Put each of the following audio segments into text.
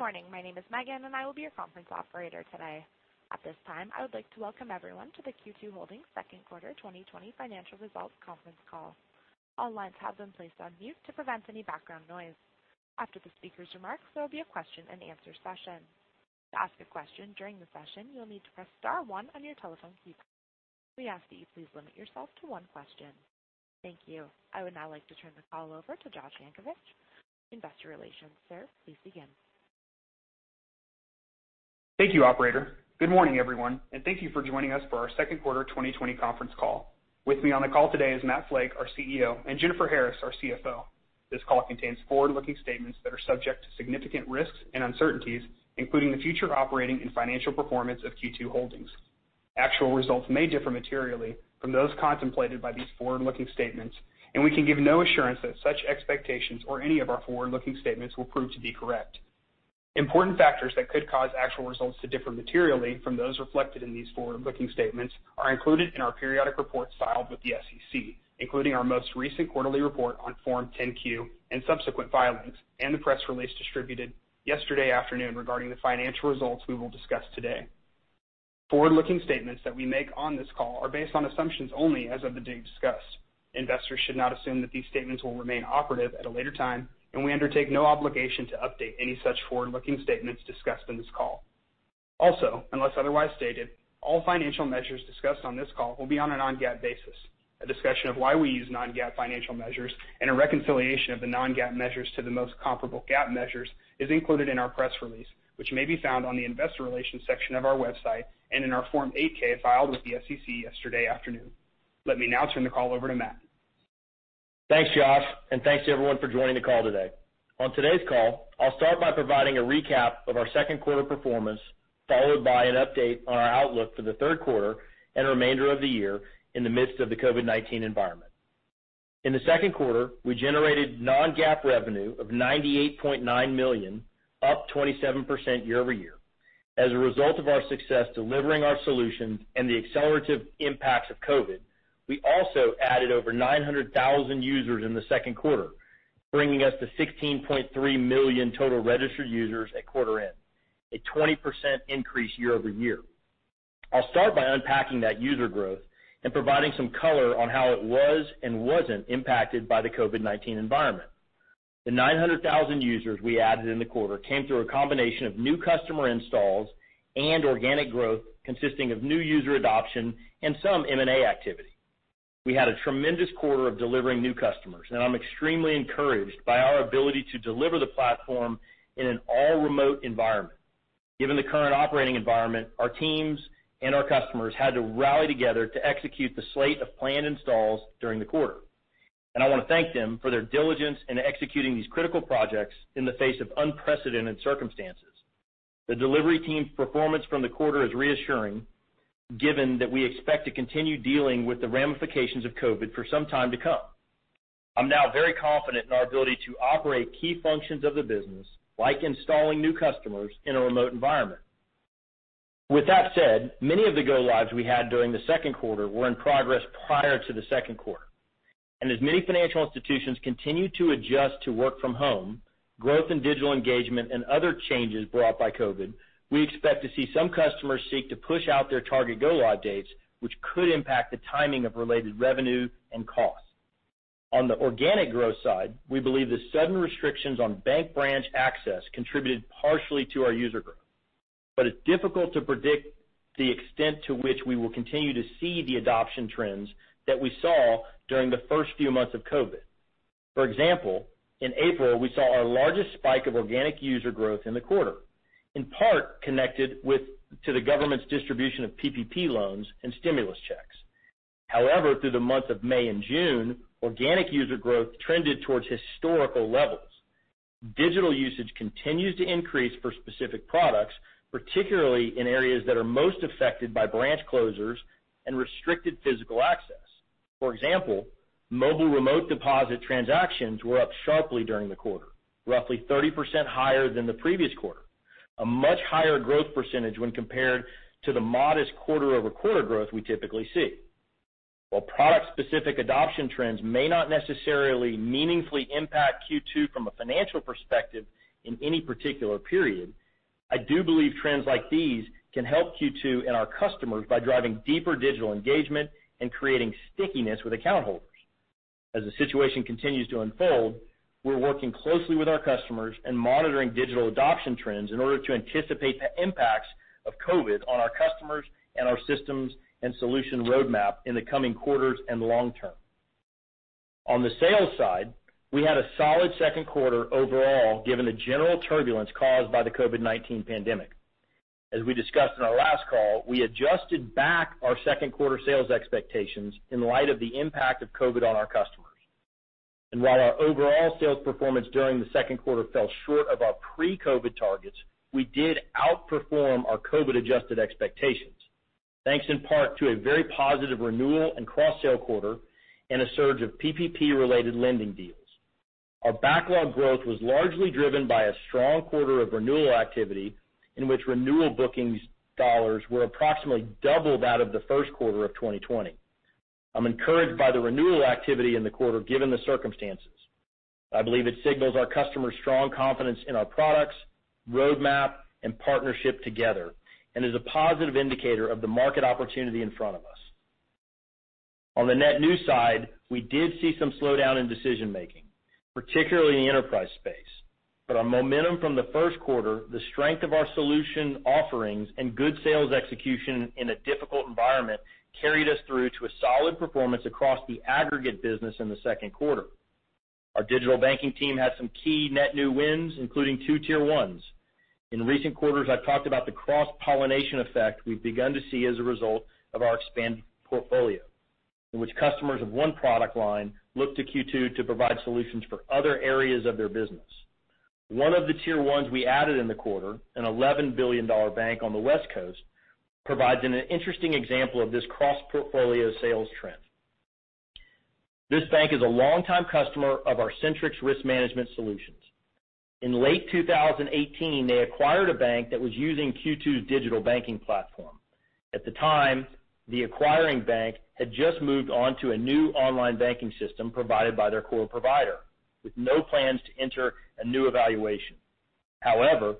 Good morning. My name is Megan, and I will be your conference operator today. At this time, I would like to welcome everyone to the Q2 Holdings second quarter 2020 financial results conference call. All lines have been placed on mute to prevent any background noise. After the speaker's remarks, there will be a question and answer session. To ask a question during the session, you'll need to press star one on your telephone keypad. We ask that you please limit yourself to one question. Thank you. I would now like to turn the call over to Josh Yankovich, Investor Relations. Sir, please begin. Thank you, operator. Good morning, everyone, and thank you for joining us for our second quarter 2020 conference call. With me on the call today is Matt Flake, our CEO, and Jennifer Harris, our CFO. This call contains forward-looking statements that are subject to significant risks and uncertainties, including the future operating and financial performance of Q2 Holdings. Actual results may differ materially from those contemplated by these forward-looking statements; we can give no assurance that such expectations or any of our forward-looking statements will prove to be correct. Important factors that could cause actual results to differ materially from those reflected in these forward-looking statements are included in our periodic reports filed with the SEC, including our most recent quarterly report on Form 10-Q and subsequent filings, and the press release distributed yesterday afternoon regarding the financial results we will discuss today. Forward-looking statements that we make on this call are based on assumptions only as of the date discussed. Investors should not assume that these statements will remain operative at a later time, and we undertake no obligation to update any such forward-looking statements discussed in this call. Unless otherwise stated, all financial measures discussed on this call will be on a non-GAAP basis. A discussion of why we use non-GAAP financial measures and a reconciliation of the non-GAAP measures to the most comparable GAAP measures is included in our press release, which may be found on the investor relations section of our website and in our Form 8-K filed with the SEC yesterday afternoon. Let me now turn the call over to Matt. Thanks, Josh. Thanks to everyone for joining the call today. On today's call, I'll start by providing a recap of our second-quarter performance, followed by an update on our outlook for the third quarter and remainder of the year in the midst of the COVID-19 environment. In the second quarter, we generated non-GAAP revenue of $98.9 million, up 27% year-over-year. As a result of our success delivering our solutions and the accelerative impacts of COVID-19, we also added over 900,000 users in the second quarter, bringing us to 16.3 million total registered users at quarter end, a 20% increase year-over-year. I'll start by unpacking that user growth and providing some color on how it was and wasn't impacted by the COVID-19 environment. The 900,000 users we added in the quarter came through a combination of new customer installs and organic growth consisting of new user adoption and some M&A activity. We had a tremendous quarter of delivering new customers, and I'm extremely encouraged by our ability to deliver the platform in an all-remote environment. Given the current operating environment, our teams and our customers had to rally together to execute the slate of planned installs during the quarter, and I want to thank them for their diligence in executing these critical projects in the face of unprecedented circumstances. The delivery team's performance from the quarter is reassuring, given that we expect to continue dealing with the ramifications of COVID for some time to come. I'm now very confident in our ability to operate key functions of the business, like installing new customers in a remote environment. With that said, many of the go-lives we had during the second quarter were in progress prior to the second quarter. As many financial institutions continue to adjust to work from home, growth in digital engagement, and other changes brought by COVID-19, we expect to see some customers seek to push out their target go-live dates, which could impact the timing of related revenue and costs. On the organic growth side, we believe the sudden restrictions on bank branch access contributed partially to our user growth. It's difficult to predict the extent to which we will continue to see the adoption trends that we saw during the first few months of COVID-19. For example, in April, we saw our largest spike of organic user growth in the quarter, in part connected to the government's distribution of PPP loans and stimulus checks. Through the months of May and June, organic user growth trended towards historical levels. Digital usage continues to increase for specific products, particularly in areas that are most affected by branch closures and restricted physical access. For example, mobile remote deposit transactions were up sharply during the quarter, roughly 30% higher than the previous quarter. A much higher growth percentage when compared to the modest quarter-over-quarter growth we typically see. While product-specific adoption trends may not necessarily meaningfully impact Q2 from a financial perspective in any particular period, I do believe trends like these can help Q2 and our customers by driving deeper digital engagement and creating stickiness with account holders. As the situation continues to unfold, we're working closely with our customers and monitoring digital adoption trends in order to anticipate the impacts of COVID on our customers and our systems and solution roadmap in the coming quarters and long term. On the sales side, we had a solid second quarter overall given the general turbulence caused by the COVID-19 pandemic. As we discussed in our last call, we adjusted back our second-quarter sales expectations in light of the impact of COVID on our customers. While our overall sales performance during the second quarter fell short of our pre-COVID targets, we did outperform our COVID-adjusted expectations, thanks in part to a very positive renewal and cross-sale quarter and a surge of PPP-related lending deals. Our backlog growth was largely driven by a strong quarter of renewal activity, in which renewal booking dollars were approximately double that of the first quarter of 2020. I'm encouraged by the renewal activity in the quarter, given the circumstances. I believe it signals our customers' strong confidence in our products, roadmap, and partnership together and is a positive indicator of the market opportunity in front of us. On the net new side, we did see some slowdown in decision-making, particularly in the enterprise space. Our momentum from the first quarter, the strength of our solution offerings, and good sales execution in a difficult environment carried us through to a solid performance across the aggregate business in the second quarter. Our digital banking team had some key net new wins, including Tier 2 and Tier 1. In recent quarters, I've talked about the cross-pollination effect we've begun to see as a result of our expanding portfolio, in which customers of one product line look to Q2 to provide solutions for other areas of their business. One of the Tier 1 we added in the quarter, an $11 billion bank on the West Coast, provides an interesting example of this cross-portfolio sales trend. This bank is a long-time customer of our Centrix risk management solutions. In late 2018, they acquired a bank that was using Q2's digital banking platform. At the time, the acquiring bank had just moved on to a new online banking system provided by their core provider, with no plans to enter a new evaluation. However,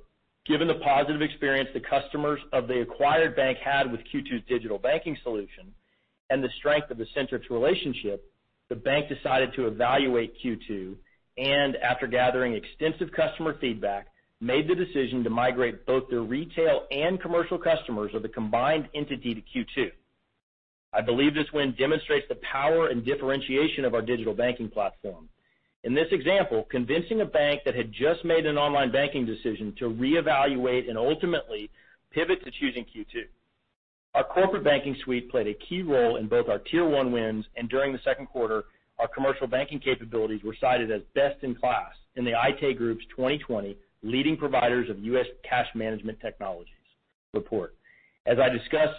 given the positive experience the customers of the acquired bank had with Q2's digital banking solution and the strength of the Centrix relationship, the bank decided to evaluate Q2, and after gathering extensive customer feedback, made the decision to migrate both their retail and commercial customers of the combined entity to Q2. I believe this win demonstrates the power and differentiation of our digital banking platform. In this example, convincing a bank that had just made an online banking decision to reevaluate and ultimately pivot to choosing Q2. Our corporate banking suite played a key role in both our Tier 1 wins, and during the second quarter, our commercial banking capabilities were cited as best-in-class in the Aite Group's 2020 Leading Providers of U.S. Cash Management Technologies report. As I discuss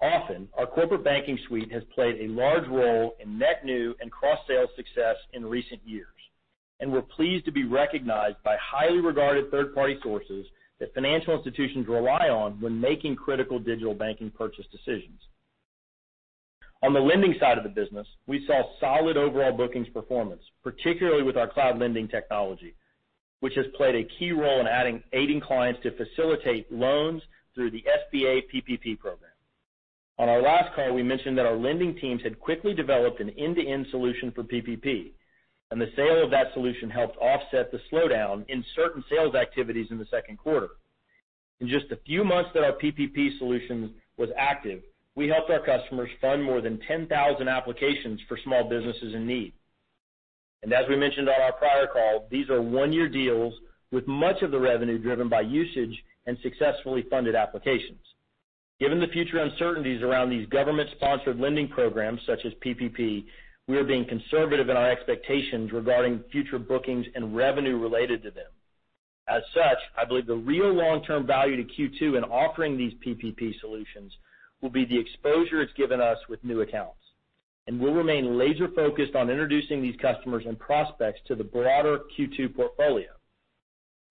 often, our corporate banking suite has played a large role in net new and cross-sale success in recent years, and we're pleased to be recognized by highly regarded third-party sources that financial institutions rely on when making critical digital banking purchase decisions. On the lending side of the business, we saw solid overall booking performance, particularly with our Cloud Lending technology, which has played a key role in aiding clients to facilitate loans through the SBA PPP program. On our last call, we mentioned that our lending teams had quickly developed an end-to-end solution for PPP, and the sale of that solution helped offset the slowdown in certain sales activities in the second quarter. In just the few months that our PPP solutions was active, we helped our customers fund more than 10,000 applications for small businesses in need. As we mentioned on our prior call, these are one-year deals with much of the revenue driven by usage and successfully funded applications. Given the future uncertainties around these government-sponsored lending programs such as PPP, we are being conservative in our expectations regarding future bookings and revenue related to them. As such, I believe the real long-term value to Q2 in offering these PPP solutions will be the exposure it's given us with new accounts, and we'll remain laser-focused on introducing these customers and prospects to the broader Q2 portfolio.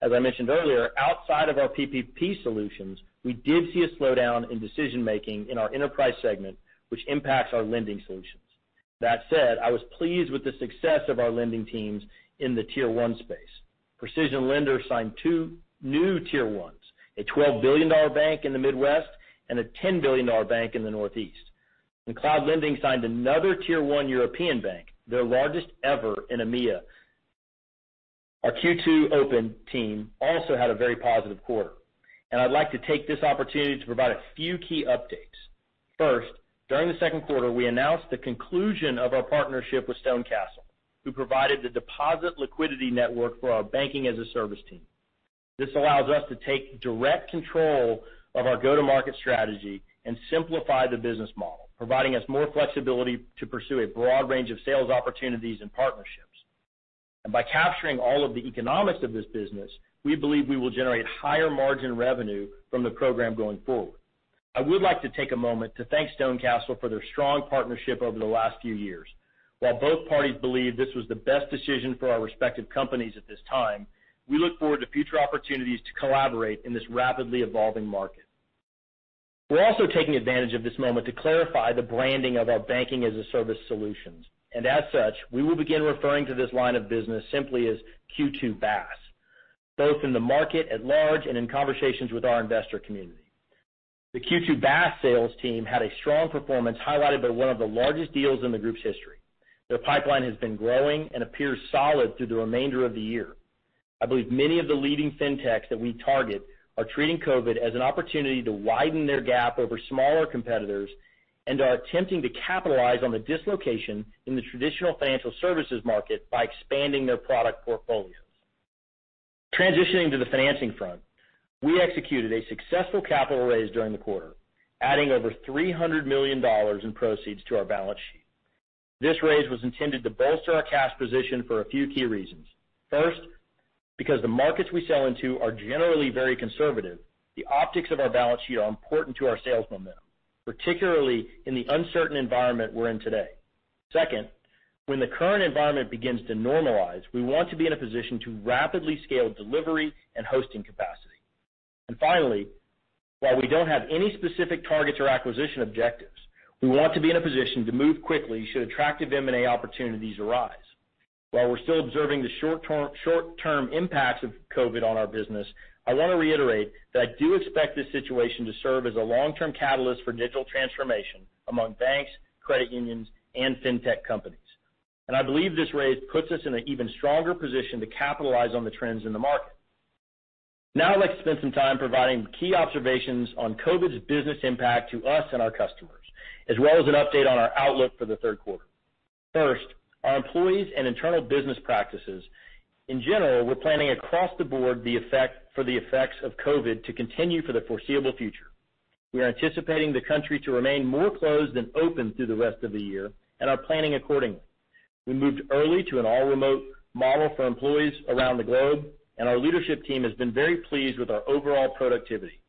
As I mentioned earlier, outside of our PPP solutions, we did see a slowdown in decision-making in our enterprise segment, which impacts our lending solutions. That said, I was pleased with the success of our lending teams in the Tier 1 space. PrecisionLender signed two new Tier 1, a $12 billion bank in the Midwest and a $10 billion bank in the Northeast. Cloud Lending signed another Tier 1 European bank, their largest ever in the EMEA. Our Q2 Open team also had a very positive quarter. I'd like to take this opportunity to provide a few key updates. First, during the second quarter, we announced the conclusion of our partnership with StoneCastle, who provided the deposit liquidity network for our Banking-as-a-Service team. This allows us to take direct control of our go-to-market strategy and simplify the business model, providing us more flexibility to pursue a broad range of sales opportunities and partnerships. By capturing all of the economics of this business, we believe we will generate higher margin revenue from the program going forward. I would like to take a moment to thank StoneCastle for their strong partnership over the last few years. While both parties believe this was the best decision for our respective companies at this time, we look forward to future opportunities to collaborate in this rapidly evolving market. We're also taking advantage of this moment to clarify the branding of our banking-as-a-service solutions, and as such, we will begin referring to this line of business simply as Q2 BaaS, both in the market at large and in conversations with our investor community. The Q2 BaaS sales team had a strong performance highlighted by one of the largest deals in the group's history. Their pipeline has been growing and appears solid through the remainder of the year. I believe many of the leading fintechs that we target are treating COVID as an opportunity to widen their gap over smaller competitors and are attempting to capitalize on the dislocation in the traditional financial services market by expanding their product portfolios. Transitioning to the financing front, we executed a successful capital raise during the quarter, adding over $300 million in proceeds to our balance sheet. This raise was intended to bolster our cash position for a few key reasons. First, because the markets we sell into are generally very conservative, the optics of our balance sheet are important to our sales momentum, particularly in the uncertain environment we're in today. Second, when the current environment begins to normalize, we want to be in a position to rapidly scale delivery and hosting capacity. Finally, while we don't have any specific targets or acquisition objectives, we want to be in a position to move quickly should attractive M&A opportunities arise. While we're still observing the short-term impacts of COVID on our business, I want to reiterate that I do expect this situation to serve as a long-term catalyst for digital transformation among banks, credit unions, and fintech companies. I believe this raise puts us in an even stronger position to capitalize on the trends in the market. Now I'd like to spend some time providing key observations on COVID's business impact to us and our customers, as well as an update on our outlook for the third quarter. First, our employees and internal business practices. In general, we're planning across the board for the effects of COVID-19 to continue for the foreseeable future. We are anticipating the country to remain more closed than open through the rest of the year and are planning accordingly. We moved early to an all-remote model for employees around the globe, and our leadership team has been very pleased with our overall productivity,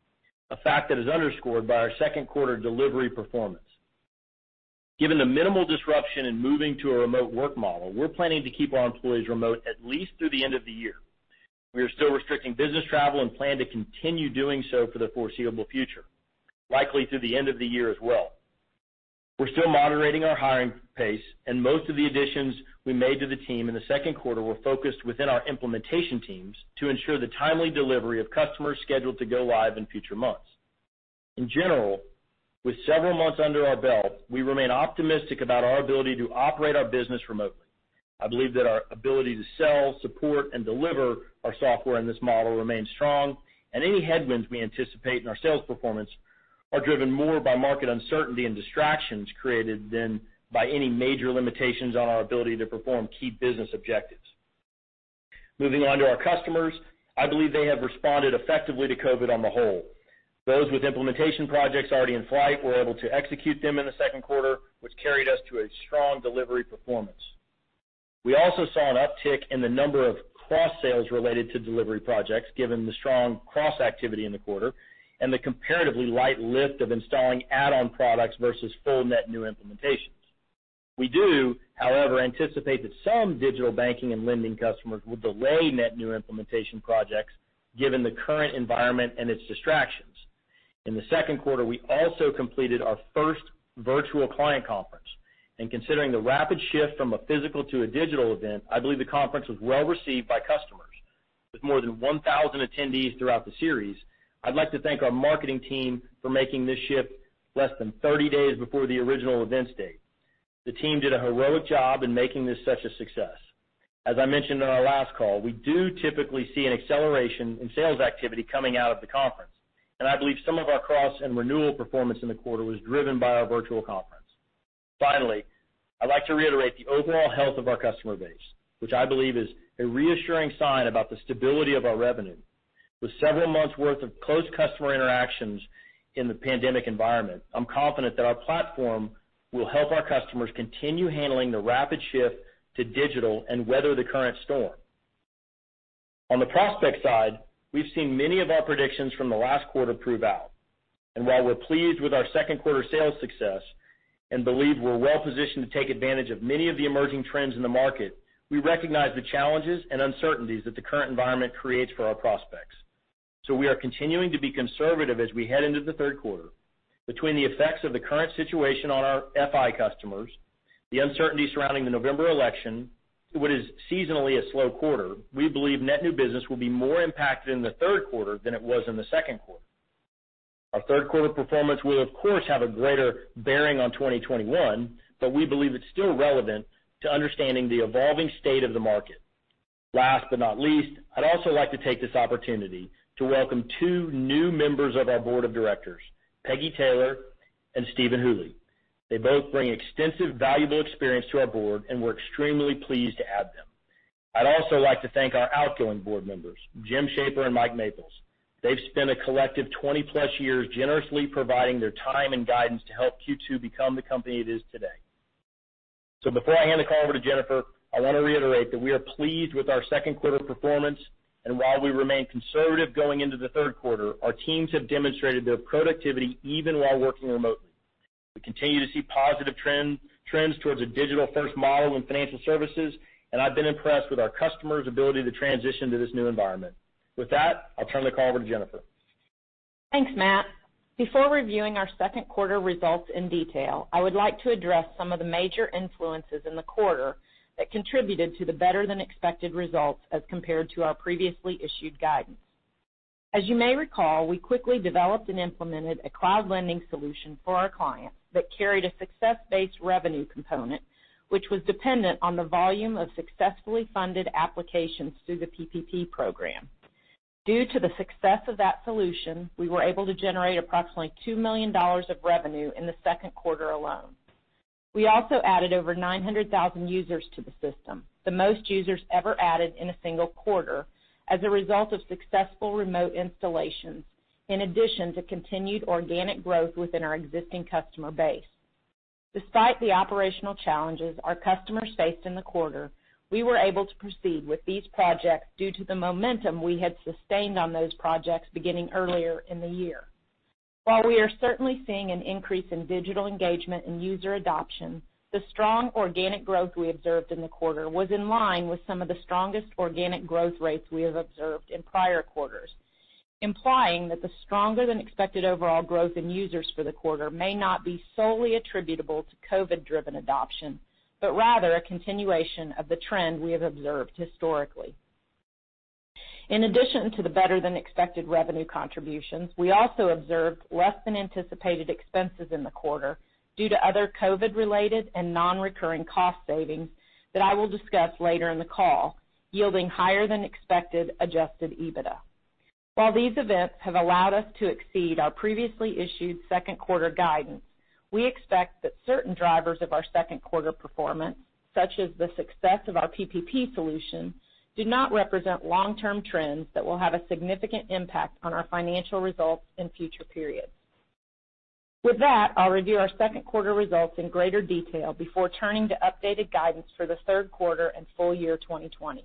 a fact that is underscored by our second-quarter delivery performance. Given the minimal disruption in moving to a remote work model, we're planning to keep our employees remote at least through the end of the year. We are still restricting business travel and plan to continue doing so for the foreseeable future, likely through the end of the year as well. We're still moderating our hiring pace, and most of the additions we made to the team in the second quarter were focused within our implementation teams to ensure the timely delivery of customers scheduled to go live in future months. In general, with several months under our belt, we remain optimistic about our ability to operate our business remotely. I believe that our ability to sell, support, and deliver our software in this model remains strong, and any headwinds we anticipate in our sales performance are driven more by market uncertainty and distractions created than by any major limitations on our ability to perform key business objectives. Moving on to our customers, I believe they have responded effectively to COVID on the whole. Those with implementation projects already in flight were able to execute them in the second quarter, which carried us to a strong delivery performance. We also saw an uptick in the number of cross-sales related to delivery projects, given the strong cross-activity in the quarter and the comparatively light lift of installing add-on products versus full net new implementations. We do, however, anticipate that some digital banking and lending customers will delay net new implementation projects given the current environment and its distractions. In the second quarter, we also completed our first virtual CONNECT. Considering the rapid shift from a physical to a digital event, I believe the conference was well-received by customers. With more than 1,000 attendees throughout the series, I'd like to thank our marketing team for making this shift less than 30 days before the original event date. The team did a heroic job in making this such a success. As I mentioned on our last call, we do typically see an acceleration in sales activity coming out of the conference, and I believe some of our cross-selling and renewal performance in the quarter was driven by our virtual conference. Finally, I'd like to reiterate the overall health of our customer base, which I believe is a reassuring sign about the stability of our revenue. With several months' worth of close customer interactions in the pandemic environment, I'm confident that our platform will help our customers continue handling the rapid shift to digital and weather the current storm. On the prospect side, we've seen many of our predictions from the last quarter prove out. While we're pleased with our second quarter sales success and believe we're well-positioned to take advantage of many of the emerging trends in the market, we recognize the challenges and uncertainties that the current environment creates for our prospects. We are continuing to be conservative as we head into the third quarter. Between the effects of the current situation on our FI customers; the uncertainty surrounding the November election; and what is seasonally a slow quarter, we believe net new business will be more impacted in the third quarter than it was in the second quarter. Our third-quarter performance will of course have a greater bearing on 2021, but we believe it's still relevant to understanding the evolving state of the market. Last but not least, I'd also like to take this opportunity to welcome two new members of our board of directors, Peggy Taylor and Stephen Hooley. They both bring extensive, valuable experience to our board, and we're extremely pleased to have them. I'd also like to thank our outgoing board members, Jim Schaper and Mike Maples. They've spent a collective 20+ years generously providing their time and guidance to help Q2 become the company it is today. Before I hand the call over to Jennifer, I want to reiterate that we are pleased with our second quarter performance, and while we remain conservative going into the third quarter, our teams have demonstrated their productivity even while working remotely. We continue to see positive trends towards a digital-first model in financial services, and I've been impressed with our customers' ability to transition to this new environment. With that, I'll turn the call over to Jennifer. Thanks, Matt. Before reviewing our second quarter results in detail, I would like to address some of the major influences in the quarter that contributed to the better-than-expected results as compared to our previously issued guidance. As you may recall, we quickly developed and implemented a Cloud Lending solution for our clients that carried a success-based revenue component, which was dependent on the volume of successfully funded applications through the PPP program. Due to the success of that solution, we were able to generate approximately $2 million of revenue in the second quarter alone. We also added over 900,000 users to the system, the most users ever added in a single quarter, as a result of successful remote installations, in addition to continued organic growth within our existing customer base. Despite the operational challenges our customers faced in the quarter, we were able to proceed with these projects due to the momentum we had sustained on those projects beginning earlier in the year. While we are certainly seeing an increase in digital engagement and user adoption, the strong organic growth we observed in the quarter was in line with some of the strongest organic growth rates we have observed in prior quarters, implying that the stronger-than-expected overall growth in users for the quarter may not be solely attributable to COVID-driven adoption but rather a continuation of the trend we have observed historically. In addition to the better-than-expected revenue contributions, we also observed lower-than-anticipated expenses in the quarter due to other COVID-related and non-recurring cost savings that I will discuss later in the call, yielding higher-than-expected Adjusted EBITDA. While these events have allowed us to exceed our previously issued second quarter guidance, we expect that certain drivers of our second quarter performance, such as the success of our PPP solutions, do not represent long-term trends that will have a significant impact on our financial results in future periods. With that, I'll review our second quarter results in greater detail before turning to updated guidance for the third quarter and full year 2020.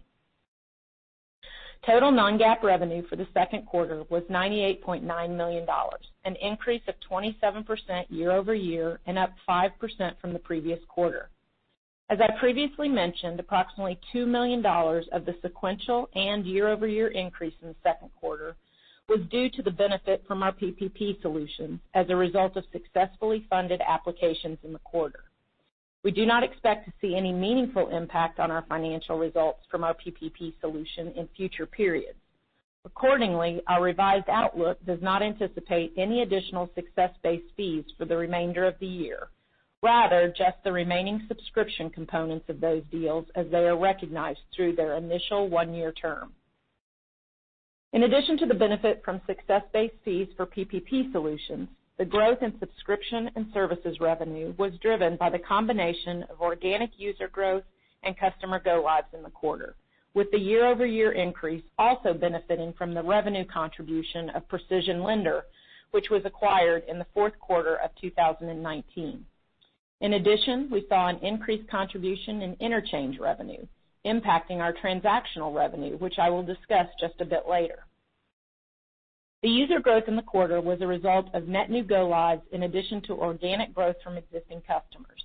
Total non-GAAP revenue for the second quarter was $98.9 million, an increase of 27% year-over-year and up 5% from the previous quarter. As I previously mentioned, approximately $2 million of the sequential and year-over-year increase in the second quarter was due to the benefit from our PPP solutions as a result of successfully funded applications in the quarter. We do not expect to see any meaningful impact on our financial results from our PPP solution in future periods. Accordingly, our revised outlook does not anticipate any additional success-based fees for the remainder of the year, but rather just the remaining subscription components of those deals as they are recognized through their initial one-year term. In addition to the benefit from success-based fees for PPP solutions, the growth in subscription and services revenue was driven by the combination of organic user growth and customer go-lives in the quarter, with the year-over-year increase also benefiting from the revenue contribution of PrecisionLender, which was acquired in the fourth quarter of 2019. In addition, we saw an increased contribution in interchange revenue impacting our transactional revenue, which I will discuss just a bit later. The user growth in the quarter was a result of net new go-lives in addition to organic growth from existing customers.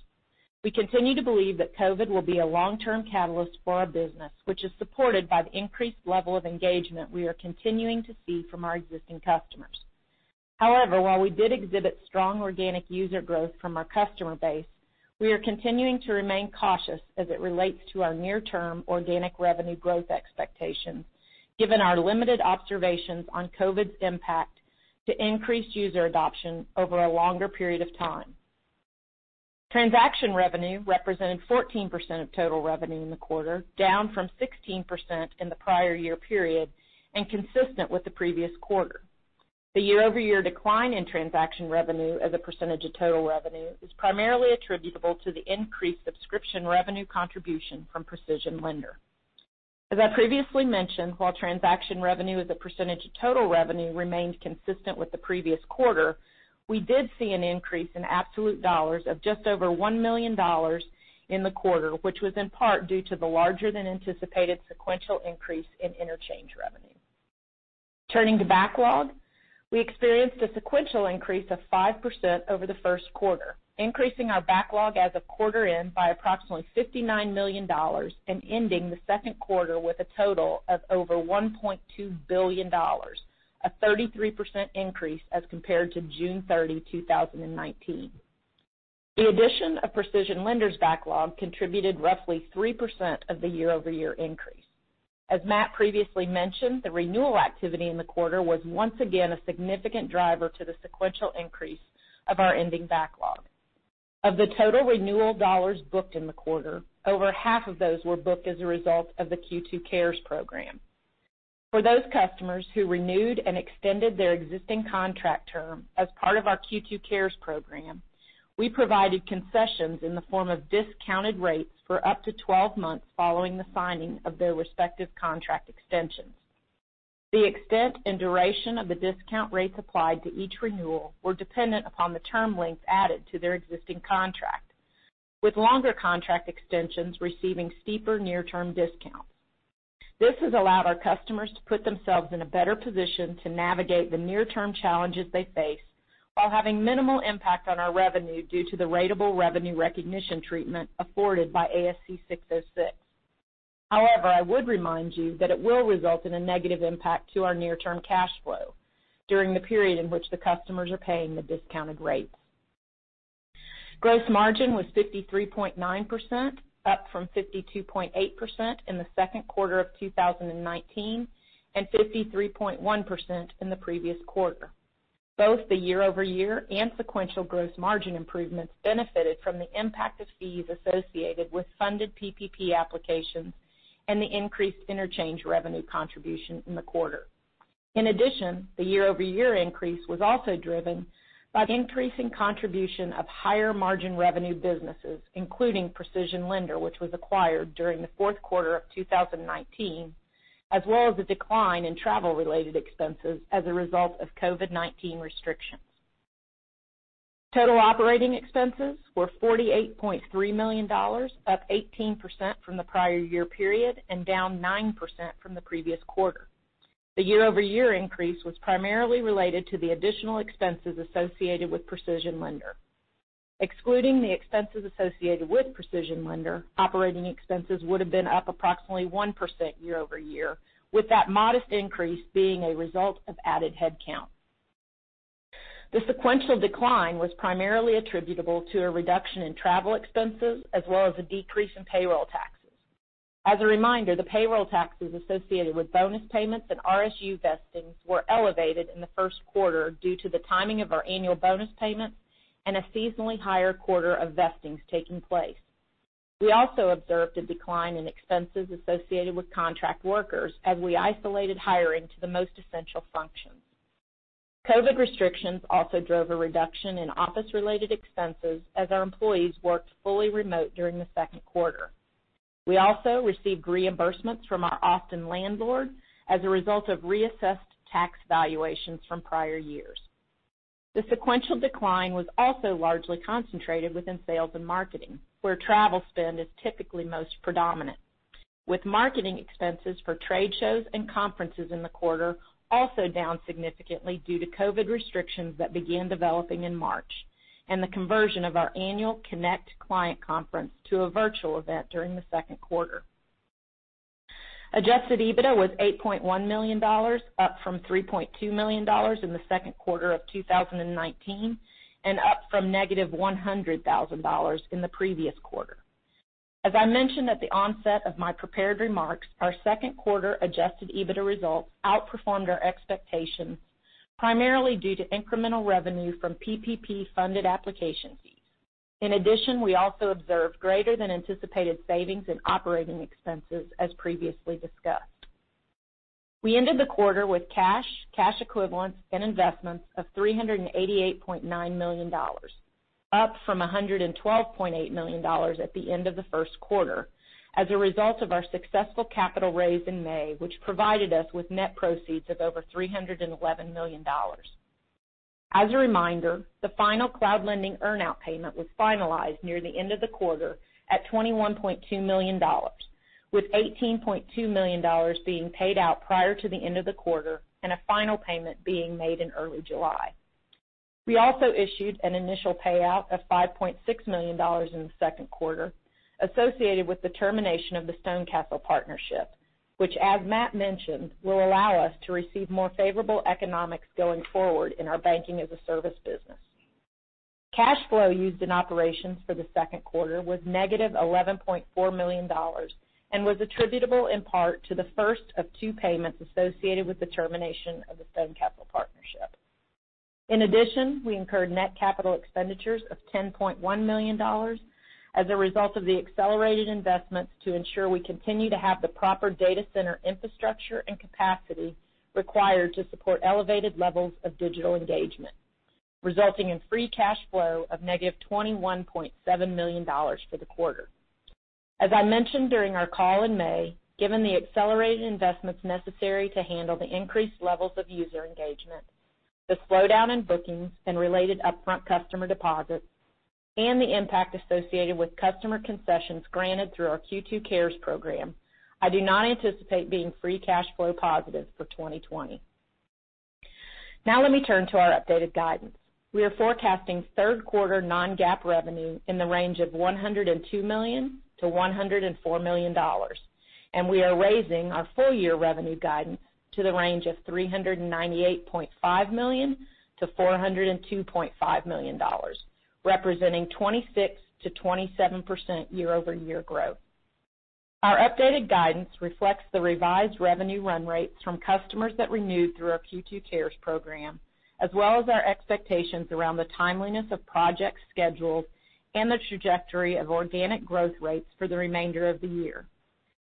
We continue to believe that COVID will be a long-term catalyst for our business, which is supported by the increased level of engagement we are continuing to see from our existing customers. However, while we did exhibit strong organic user growth from our customer base, we are continuing to remain cautious as it relates to our near-term organic revenue growth expectations, given our limited observations on COVID's impact to increase user adoption over a longer period of time. Transaction revenue represented 14% of total revenue in the quarter, down from 16% in the prior year period and consistent with the previous quarter. The year-over-year decline in transaction revenue as a percentage of total revenue is primarily attributable to the increased subscription revenue contribution from PrecisionLender. As I previously mentioned, while transaction revenue as a percentage of total revenue remained consistent with the previous quarter, we did see an increase in absolute dollars of just over $1 million in the quarter, which was in part due to the larger-than-anticipated sequential increase in interchange revenue. Turning to backlog, we experienced a sequential increase of 5% over the first quarter, increasing our backlog as of quarter end by approximately $59 million and ending the second quarter with a total of over $1.2 billion, a 33% increase as compared to June 30, 2019. The addition of PrecisionLender's backlog contributed roughly 3% of the year-over-year increase. As Matt previously mentioned, the renewal activity in the quarter was once again a significant driver to the sequential increase of our ending backlog. Of the total renewal dollars booked in the quarter, over half of those were booked as a result of the Q2 CARES program. For those customers who renewed and extended their existing contract term as part of our Q2 CARES program, we provided concessions in the form of discounted rates for up to 12 months following the signing of their respective contract extensions. The extent and duration of the discount rates applied to each renewal were dependent upon the term length added to their existing contract, with longer contract extensions receiving steeper near-term discounts. This has allowed our customers to put themselves in a better position to navigate the near-term challenges they face while having minimal impact on our revenue due to the ratable revenue recognition treatment afforded by ASC 606. However, I would remind you that it will result in a negative impact to our near-term cash flow during the period in which the customers are paying the discounted rates. Gross margin was 53.9%, up from 52.8% in the second quarter of 2019 and 53.1% in the previous quarter. Both the year-over-year and sequential gross margin improvements benefited from the impact of fees associated with funded PPP applications and the increased interchange revenue contribution in the quarter. In addition, the year-over-year increase was also driven by the increasing contribution of higher-margin revenue businesses, including PrecisionLender, which was acquired during the fourth quarter of 2019, as well as the decline in travel-related expenses as a result of COVID-19 restrictions. Total operating expenses were $48.3 million, up 18% from the prior-year period and down 9% from the previous quarter. The year-over-year increase was primarily related to the additional expenses associated with PrecisionLender. Excluding the expenses associated with PrecisionLender, operating expenses would've been up approximately 1% year-over-year, with that modest increase being a result of added headcount. The sequential decline was primarily attributable to a reduction in travel expenses, as well as a decrease in payroll taxes. As a reminder, the payroll taxes associated with bonus payments and RSU vestings were elevated in the first quarter due to the timing of our annual bonus payments and a seasonally higher quarter of vestings taking place. We also observed a decline in expenses associated with contract workers as we isolated hiring to the most essential functions. COVID-19 restrictions also drove a reduction in office-related expenses as our employees worked fully remote during the second quarter. We also received reimbursements from our Austin landlord as a result of reassessed tax valuations from prior years. The sequential decline was also largely concentrated within sales and marketing, where travel spend is typically most predominant, with marketing expenses for trade shows and conferences in the quarter also down significantly due to COVID restrictions that began developing in March and the conversion of our annual CONNECT client conference to a virtual event during the second quarter. Adjusted EBITDA was $8.1 million, up from $3.2 million in the second quarter of 2019, and up from negative $100,000 in the previous quarter. As I mentioned at the onset of my prepared remarks, our second-quarter Adjusted EBITDA results outperformed our expectations, primarily due to incremental revenue from PPP-funded application fees. In addition, we also observed greater than anticipated savings in operating expenses, as previously discussed. We ended the quarter with cash equivalents and investments of $388.9 million, up from $112.8 million at the end of the first quarter, as a result of our successful capital raise in May, which provided us with net proceeds of over $311 million. As a reminder, the final Cloud Lending earn-out payment was finalized near the end of the quarter at $21.2 million, with $18.2 million being paid out prior to the end of the quarter and a final payment being made in early July. We also issued an initial payout of $5.6 million in the second quarter associated with the termination of the StoneCastle partnership, which, as Matt mentioned, will allow us to receive more favorable economics going forward in our banking-as-a-service business. Cash flow used in operations for the second quarter was negative $11.4 million and was attributable in part to the first of two payments associated with the termination of the StoneCastle partnership. We incurred net capital expenditures of $10.1 million as a result of the accelerated investments to ensure we continue to have the proper data center infrastructure and capacity required to support elevated levels of digital engagement, resulting in free cash flow of negative $21.7 million for the quarter. As I mentioned during our call in May, given the accelerated investments necessary to handle the increased levels of user engagement, the slowdown in bookings and related upfront customer deposits, and the impact associated with customer concessions granted through our Q2 CARES program, I do not anticipate being free cash flow positive for 2020. Let me turn to our updated guidance. We are forecasting third quarter non-GAAP revenue in the range of $102 million-$104 million, and we are raising our full-year revenue guidance to the range of $398.5 million-$402.5 million, representing 26%-27% year-over-year growth. Our updated guidance reflects the revised revenue run rates from customers that renewed through our Q2 CARES program, as well as our expectations around the timeliness of project schedules and the trajectory of organic growth rates for the remainder of the year.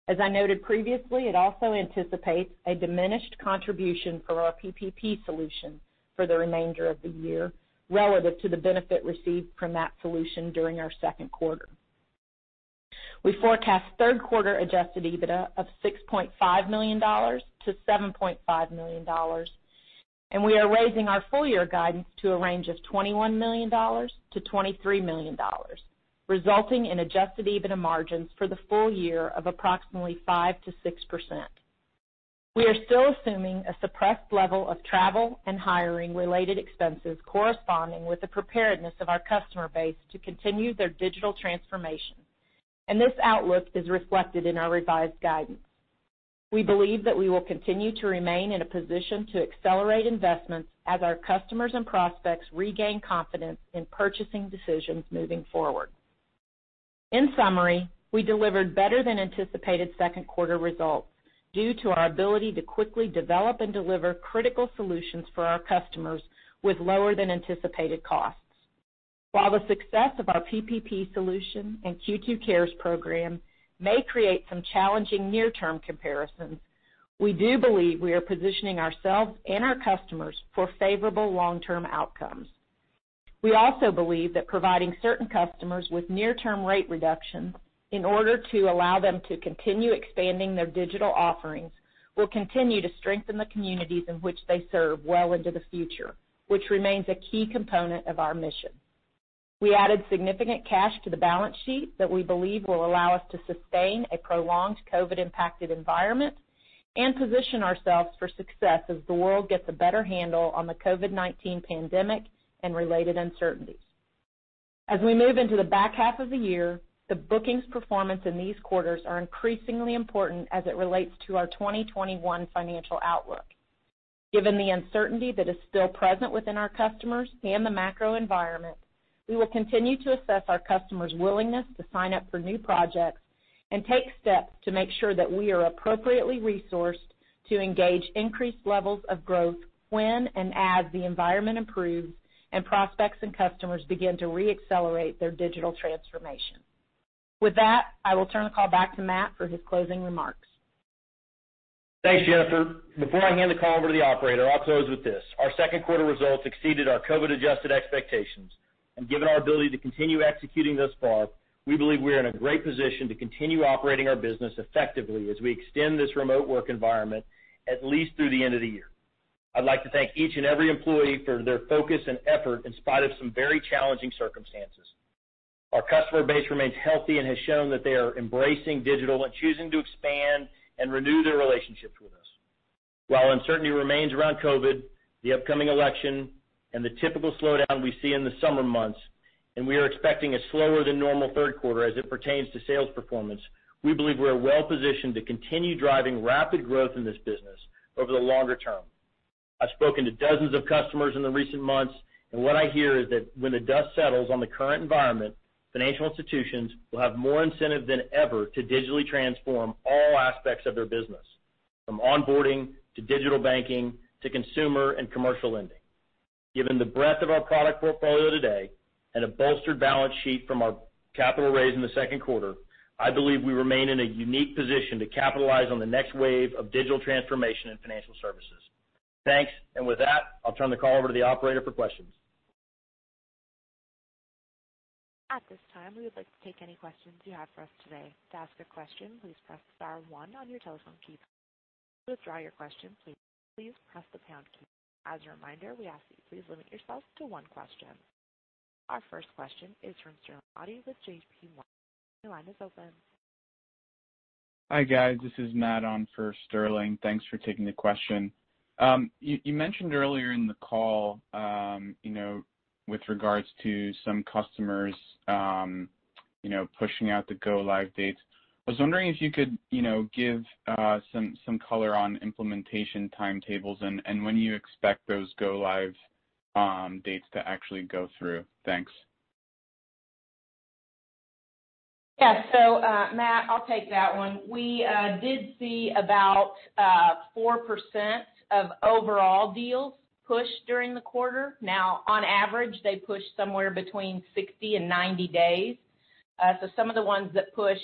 As I noted previously, it also anticipates a diminished contribution from our PPP solution for the remainder of the year relative to the benefit received from that solution during our second quarter. We forecast third-quarter Adjusted EBITDA of $6.5 million-$7.5 million, and we are raising our full-year guidance to a range of $21 million-$23 million, resulting in Adjusted EBITDA margins for the full year of approximately 5%-6%. We are still assuming a suppressed level of travel and hiring related expenses corresponding with the preparedness of our customer base to continue their digital transformation, and this outlook is reflected in our revised guidance. We believe that we will continue to remain in a position to accelerate investments as our customers and prospects regain confidence in purchasing decisions moving forward. In summary, we delivered better than anticipated second-quarter results due to our ability to quickly develop and deliver critical solutions for our customers with lower than anticipated costs. While the success of our PPP solution and Q2 CARES program may create some challenging near-term comparisons, we do believe we are positioning ourselves and our customers for favorable long-term outcomes. We also believe that providing certain customers with near-term rate reductions in order to allow them to continue expanding their digital offerings will continue to strengthen the communities in which they serve well into the future, which remains a key component of our mission. We added significant cash to the balance sheet that we believe will allow us to sustain a prolonged COVID-impacted environment and position ourselves for success as the world gets a better handle on the COVID-19 pandemic and related uncertainties. As we move into the back half of the year, the bookings performance in these quarters is increasingly important as it relates to our 2021 financial outlook. Given the uncertainty that is still present within our customers and the macro environment, we will continue to assess our customers' willingness to sign up for new projects and take steps to make sure that we are appropriately resourced to engage increased levels of growth when and as the environment improves and prospects and customers begin to re-accelerate their digital transformation. With that, I will turn the call back to Matt for his closing remarks. Thanks, Jennifer. Before I hand the call over to the operator, I'll close with this. Our second quarter results exceeded our COVID-adjusted expectations. Given our ability to continue executing thus far, we believe we are in a great position to continue operating our business effectively as we extend this remote work environment, at least through the end of the year. I'd like to thank each and every employee for their focus and effort in spite of some very challenging circumstances. Our customer base remains healthy and has shown that they are embracing digital and choosing to expand and renew their relationships with us. While uncertainty remains around COVID-19, the upcoming election, and the typical slowdown we see in the summer months, we are expecting a slower than normal third quarter as it pertains to sales performance; we believe we're well-positioned to continue driving rapid growth in this business over the longer term. I've spoken to dozens of customers in the recent months, what I hear is that when the dust settles on the current environment, financial institutions will have more incentive than ever to digitally transform all aspects of their business, from onboarding to digital banking to consumer and commercial lending. Given the breadth of our product portfolio today and a bolstered balance sheet from our capital raise in the second quarter, I believe we remain in a unique position to capitalize on the next wave of digital transformation in financial services. Thanks. With that, I'll turn the call over to the operator for questions. At this time, we would like to take any questions you have for us today. To ask a question, please press star one on your telephone keypad. To withdraw your question, please press the pound key. As a reminder, we ask that you please limit yourself to one question. Our first question is from Sterling Auty with JPMorgan. Your line is open. Hi, guys. This is Matt on for Sterling. Thanks for taking the question. You mentioned earlier in the call, with regard to some customers pushing out the go-live dates. I was wondering if you could give some color on implementation timetables and when you expect those go-live dates to actually go through. Thanks. Yes. Matt, I'll take that one. We did see about 4% of overall deals pushed during the quarter. On average, they pushed somewhere between 60 and 90 days. Some of the ones that pushed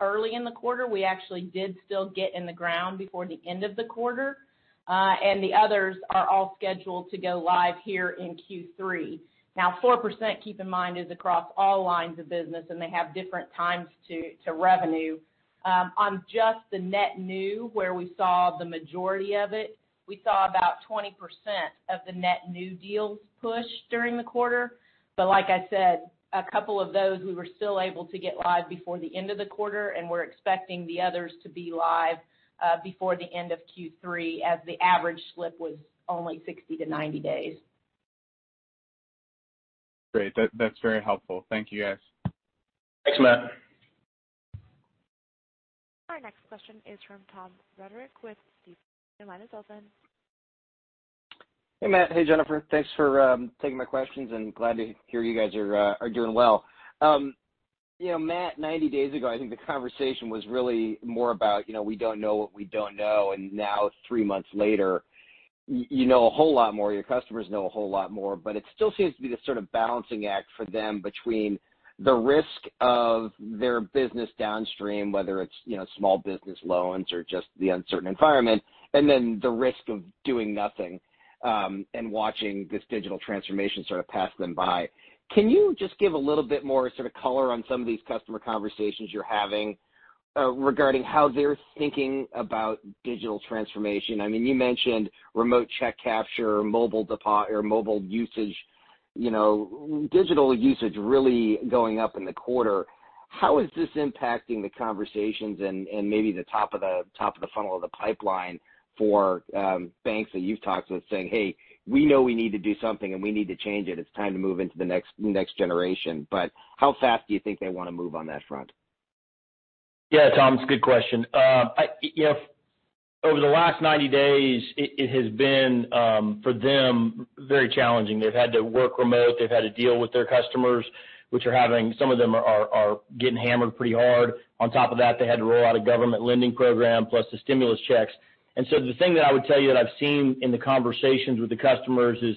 early in the quarter, we actually did still get on the ground before the end of the quarter. The others are all scheduled to go live here in Q3. 4%, keep in mind, is across all lines of business, and they have different times to revenue. On just the net new, where we saw the majority of it, we saw about 20% of the net new deals push during the quarter. Like I said, a couple of those, we were still able to get live before the end of the quarter, and we're expecting the others to be live before the end of Q3, as the average slip was only 60-90 days. Great. That's very helpful. Thank you, guys. Thanks, Matt. Our next question is from Tom Roderick with Stifel. Your line is open. Hey, Matt. Hey, Jennifer. Thanks for taking my questions. Glad to hear you guys are doing well. Matt, 90 days ago, I think the conversation was really more about we don't know what we don't know. Now three months later, you know a whole lot more; your customers know a whole lot more. It still seems to be this sort of balancing act for them between the risk of their business downstream, whether it's small business loans or just the uncertain environment, and then the risk of doing nothing and watching this digital transformation sort of pass them by. Can you just give a little bit more sort of color on some of these customer conversations you're having regarding how they're thinking about digital transformation? You mentioned remote check capture or mobile usage; digital usage is really going up in the quarter. How is this impacting the conversations and maybe the top of the funnel of the pipeline for banks that you've talked to that saying, Hey, we know we need to do something, and we need to change it. It's time to move into the next generation. How fast do you think they want to move on that front? Yeah, Tom, it's a good question. Over the last 90 days, it has been, for them, very challenging. They've had to work remote. They've had to deal with their customers, some of whom are getting hammered pretty hard. On top of that, they had to roll out a government lending program plus the stimulus checks. The thing that I would tell you that I've seen in the conversations with the customers is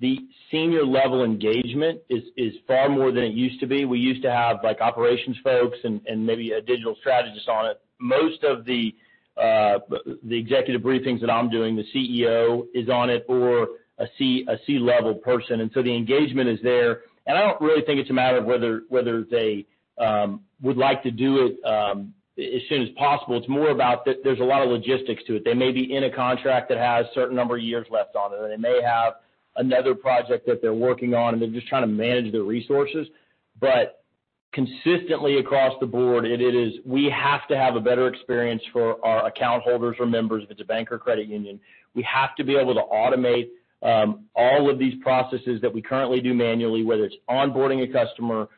the senior-level engagement is far more than it used to be. We used to have operations folks and maybe a digital strategist on it. Most of the executive briefings that I'm doing, the CEO is on them or a C-level person. The engagement is there. I don't really think it's a matter of whether they would like to do it as soon as possible. It's more about the fact that there's a lot of logistics to it. They may be in a contract that has a certain number of years left on it, or they may have another project that they're working on, and they're just trying to manage their resources. Consistently across the board, it is that we have to have a better experience for our account holders or members, if it's a bank or credit union. We have to be able to automate all of these processes that we currently do manually, whether it's onboarding a customer,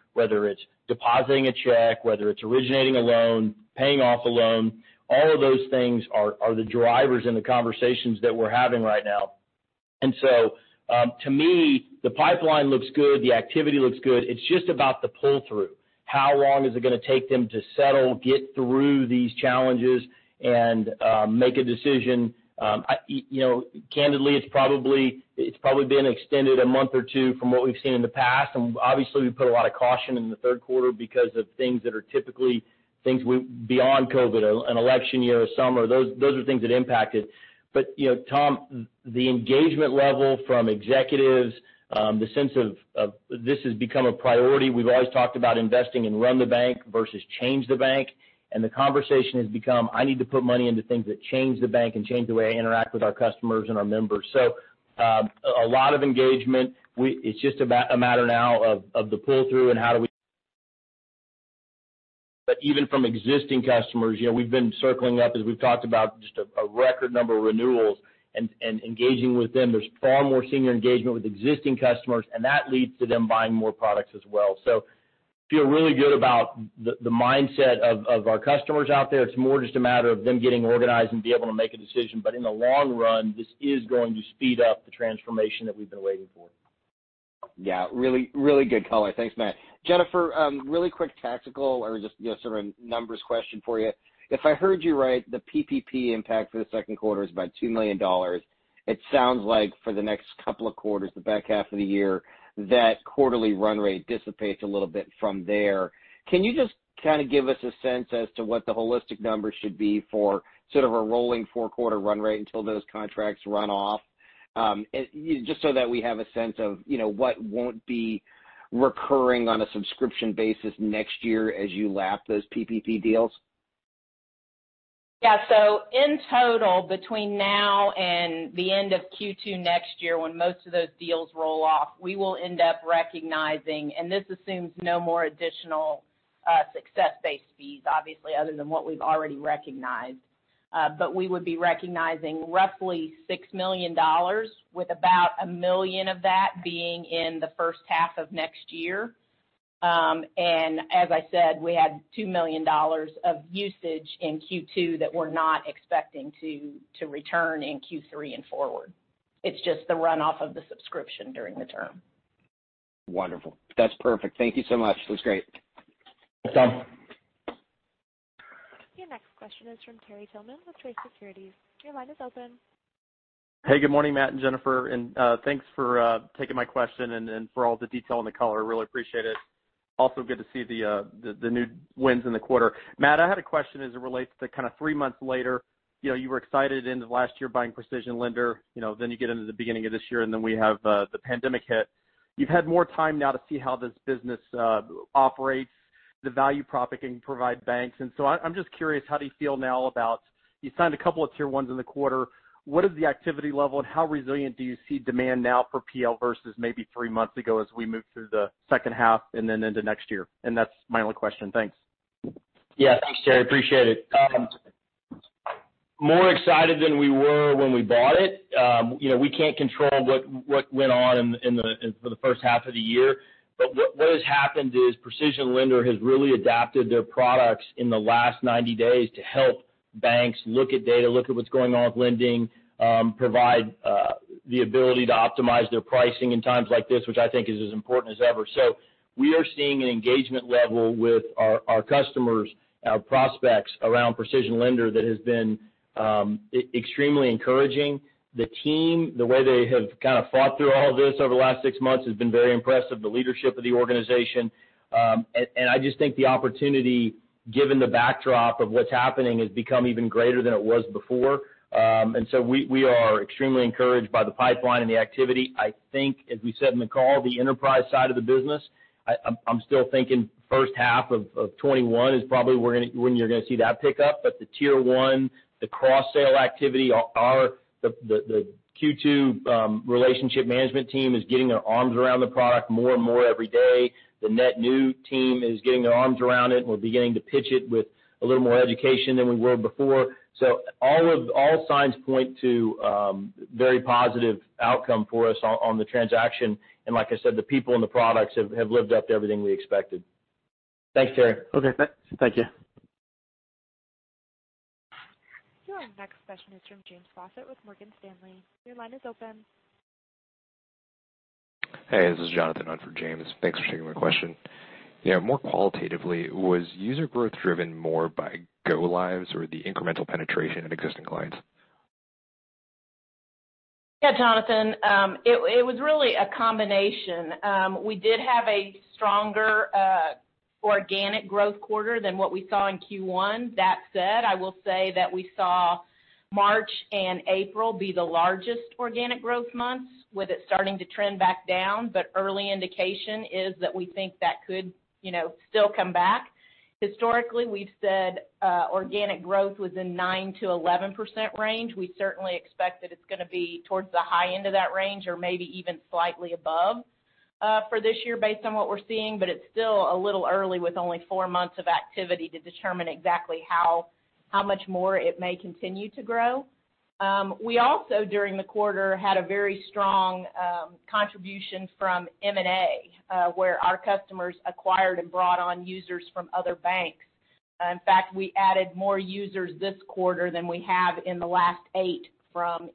depositing a check, originating a loan, or paying off a loan. All of those things are the drivers in the conversations that we're having right now. To me, the pipeline looks good. The activity looks good. It's just about the pull-through. How long is it going to take them to settle, get through these challenges, and make a decision? Candidly, it's probably been extended a month or two from what we've seen in the past. Obviously, we put a lot of caution in the third quarter because of things that are typically beyond COVID-19, an election year, and a summer. Those are things that impact it. Tom, the engagement level from executives, and the sense of this has become a priority. We've always talked about investing in run the bank versus changing the bank, and the conversation has become, I need to put money into things that change the bank and change the way I interact with our customers and our members. A lot of engagement. It's just about a matter now of the pull-through. Even from existing customers, we've been circling up as we've talked about just a record number of renewals and engaged with them. There's far more senior engagement with existing customers. That leads to them buying more products as well. Feel really good about the mindset of our customers out there. It's more just a matter of them getting organized and being able to make a decision. In the long run, this is going to speed up the transformation that we've been waiting for. Yeah, really good color. Thanks, Matt. Jennifer, a really quick tactical or just sort of numbers question for you. If I heard you right, the PPP impact for the second quarter is about $2 million. It sounds like for the next couple of quarters, the back half of the year, that quarterly run rate dissipates a little bit from there. Can you just kind of give us a sense as to what the holistic number should be for sort of a rolling four-quarter run rate until those contracts run off? Just so that we have a sense of what won't be recurring on a subscription basis next year as you lap those PPP deals. Yeah. In total, between now and the end of Q2 next year, when most of those deals roll off, we will end up recognizing, and this assumes no more additional success-based fees, obviously, other than what we've already recognized. We would be recognizing roughly $6 million, with about $1 million of that being in the first half of next year. As I said, we had $2 million of usage in Q2 that we're not expecting to return in Q3 and forward. It's just the runoff of the subscription during the term. Wonderful. That's perfect. Thank you so much. That was great. Thanks, Tom. Your next question is from Terry Tillman with Truist Securities. Your line is open. Hey, good morning, Matt and Jennifer. Thanks for taking my question and for all the detail and the color. Really appreciate it. Good to see the new wins in the quarter. Matt, I had a question as it relates to kind of three months later. You were excited last year buying PrecisionLender. You get into the beginning of this year, and then we have the pandemic hit. You've had more time now to see how this business operates and the value proposition it can provide banks. So I'm just curious, how do you feel now about the fact that you signed a couple of Tier 1 in the quarter? What is the activity level, and how resilient do you see demand now for PL versus maybe three months ago as we move through the second half and then into next year? That's my only question. Thanks. Yeah. Thanks, Terry. Appreciate it. More excited than we were when we bought it. We can't control what went on for the first half of the year. What has happened is PrecisionLender has really adapted their products in the last 90 days to help banks look at data, look at what's going on with lending, and provide the ability to optimize their pricing in times like this, which I think is as important as ever. We are seeing an engagement level with our customers and our prospects around PrecisionLender that has been extremely encouraging. The team, the way they have kind of fought through all this over the last six months has been very impressive, the leadership of the organization. I just think the opportunity, given the backdrop of what's happening, has become even greater than it was before. We are extremely encouraged by the pipeline and the activity. I think, as we said in the call, the enterprise side of the business—I'm still thinking the first half of 2021 is probably when you're going to see that pick up. The tier 1, the cross-sale activity, and the Q2 relationship management team are getting their arms around the product more and more every day. The net new team is getting their arms around it and we're beginning to pitch it with a little more education than we were before. All signs point to a very positive outcome for us on the transaction. Like I said, the people and the products have lived up to everything we expected. Thanks, Terry. Okay. Thank you. Your next question is from James Faucette with Morgan Stanley. Your line is open. Hey, this is Jonathan on for James. Thanks for taking my question. More qualitatively, was user growth driven more by go-lives or the incremental penetration in existing clients? Jonathan. It was really a combination. We did have a stronger organic growth quarter than what we saw in Q1. That said, I will say that we saw March and April be the largest organic growth months, with it starting to trend back down. Early indication is that we think that could still come back. Historically, we've said organic growth was in the 9%-11% range. We certainly expect that it's going to be towards the high end of that range or maybe even slightly above for this year based on what we're seeing. It's still a little early with only four months of activity to determine exactly how much more it may continue to grow. We also, during the quarter, had a very strong contribution from M&A, where our customers acquired and brought on users from other banks. In fact, we added more users this quarter than we have in the last eight from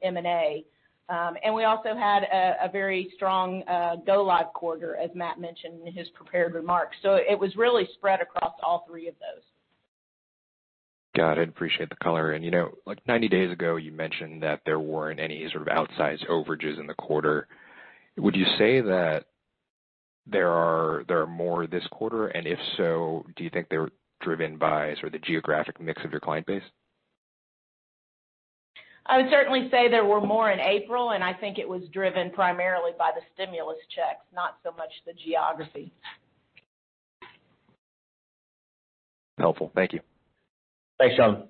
M&A. We also had a very strong go-live quarter, as Matt mentioned in his prepared remarks. It was really spread across all three of those. Got it. Appreciate the color. Like 90 days ago, you mentioned that there weren't any sort of outsized overages in the quarter. Would you say that there are more this quarter? If so, do you think they're driven by sort of the geographic mix of your client base? I would certainly say there were more in April, and I think it was driven primarily by the stimulus checks, not so much the geography. Helpful. Thank you. Thanks, Jon.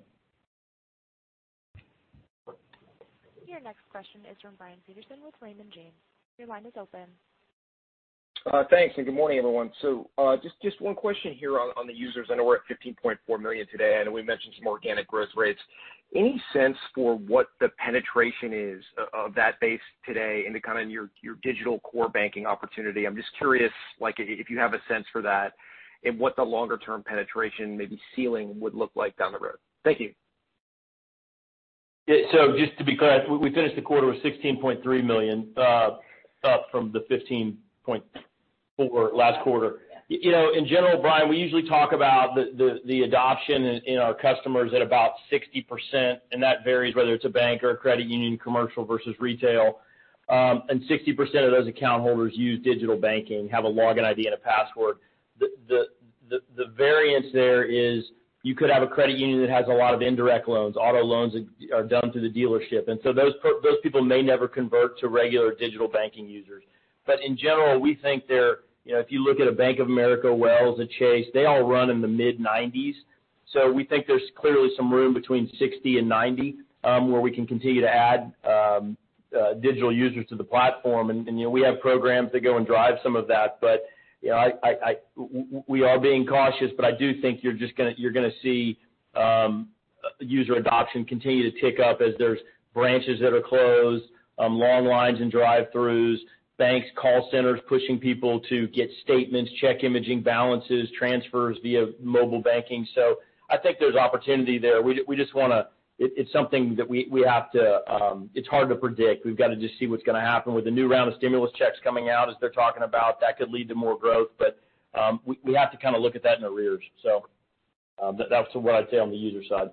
Your next question is from Brian Peterson with Raymond James. Your line is open. Thanks. Good morning, everyone. Just one question here about the users. I know we're at $15.4 million today, and we mentioned some organic growth rates. Any sense for what the penetration is of that base today into kind of your digital core banking opportunity? I'm just curious if you have a sense for that and what the longer-term penetration or maybe ceiling would look like down the road. Thank you. Just to be clear, we finished the quarter with $16.3 million, up from $15.4 million last quarter. In general, Brian, we usually talk about the adoption in our customers at about 60%, and that varies whether it's a bank or a credit union, commercial versus retail. 60% of those account holders use digital banking and have a login ID and a password. The variance there is you could have a credit union that has a lot of indirect loans. Auto loans are done through the dealership. Those people may never convert to regular digital banking users. In general, we think if you look at a Bank of America, Wells, or Chase, they all run in the mid-90s. We think there's clearly some room between 60 and 90, where we can continue to add digital users to the platform. We have programs that go and drive some of that. We are being cautious, but I do think you're going to see user adoption continue to tick up as there are branches that are closed, long lines in drive-throughs, and banks' call centers pushing people to get statements, check imaging balances, and make transfers via mobile banking. I think there's opportunity there. It's hard to predict. We've got to just see what's going to happen with the new round of stimulus checks coming out, as they're talking about. That could lead to more growth, but we have to kind of look at that in the rear view. That's what I'd say on the user side.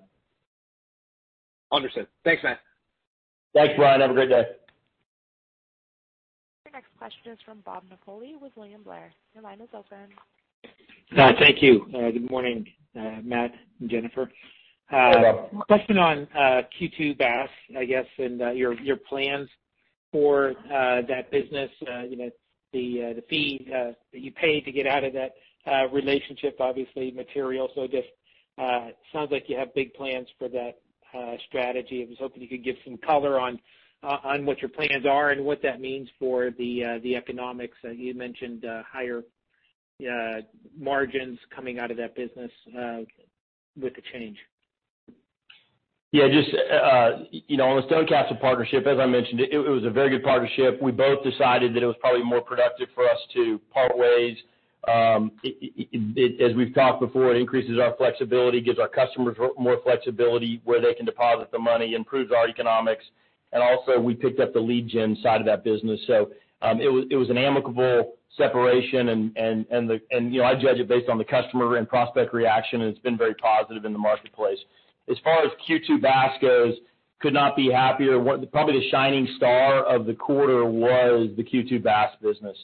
Understood. Thanks, Matt. Thanks, Brian. Have a great day. Your next question is from Bob Napoli with William Blair. Your line is open. Thank you. Good morning, Matt and Jennifer. Good morning. Question on Q2 BaaS, I guess, and your plans for that business. The fee that you paid to get out of that relationship was obviously material. Just sounds like you have big plans for that strategy. I was hoping you could give some color on what your plans are and what that means for the economy. You mentioned higher margins coming out of that business with the change. Yeah. On the Stonecastle partnership, as I mentioned, it was a very good partnership. We both decided that it was probably more productive for us to part ways. As we've talked before, it increases our flexibility, gives our customers more flexibility in where they can deposit the money, and improves our economics. Also, we picked up the lead gen side of that business. It was an amicable separation, and I judge it based on the customer and prospect reaction, and it's been very positive in the marketplace. As far as Q2 BaaS goes, could not be happier. Probably the shining star of the quarter was the Q2 BaaS business.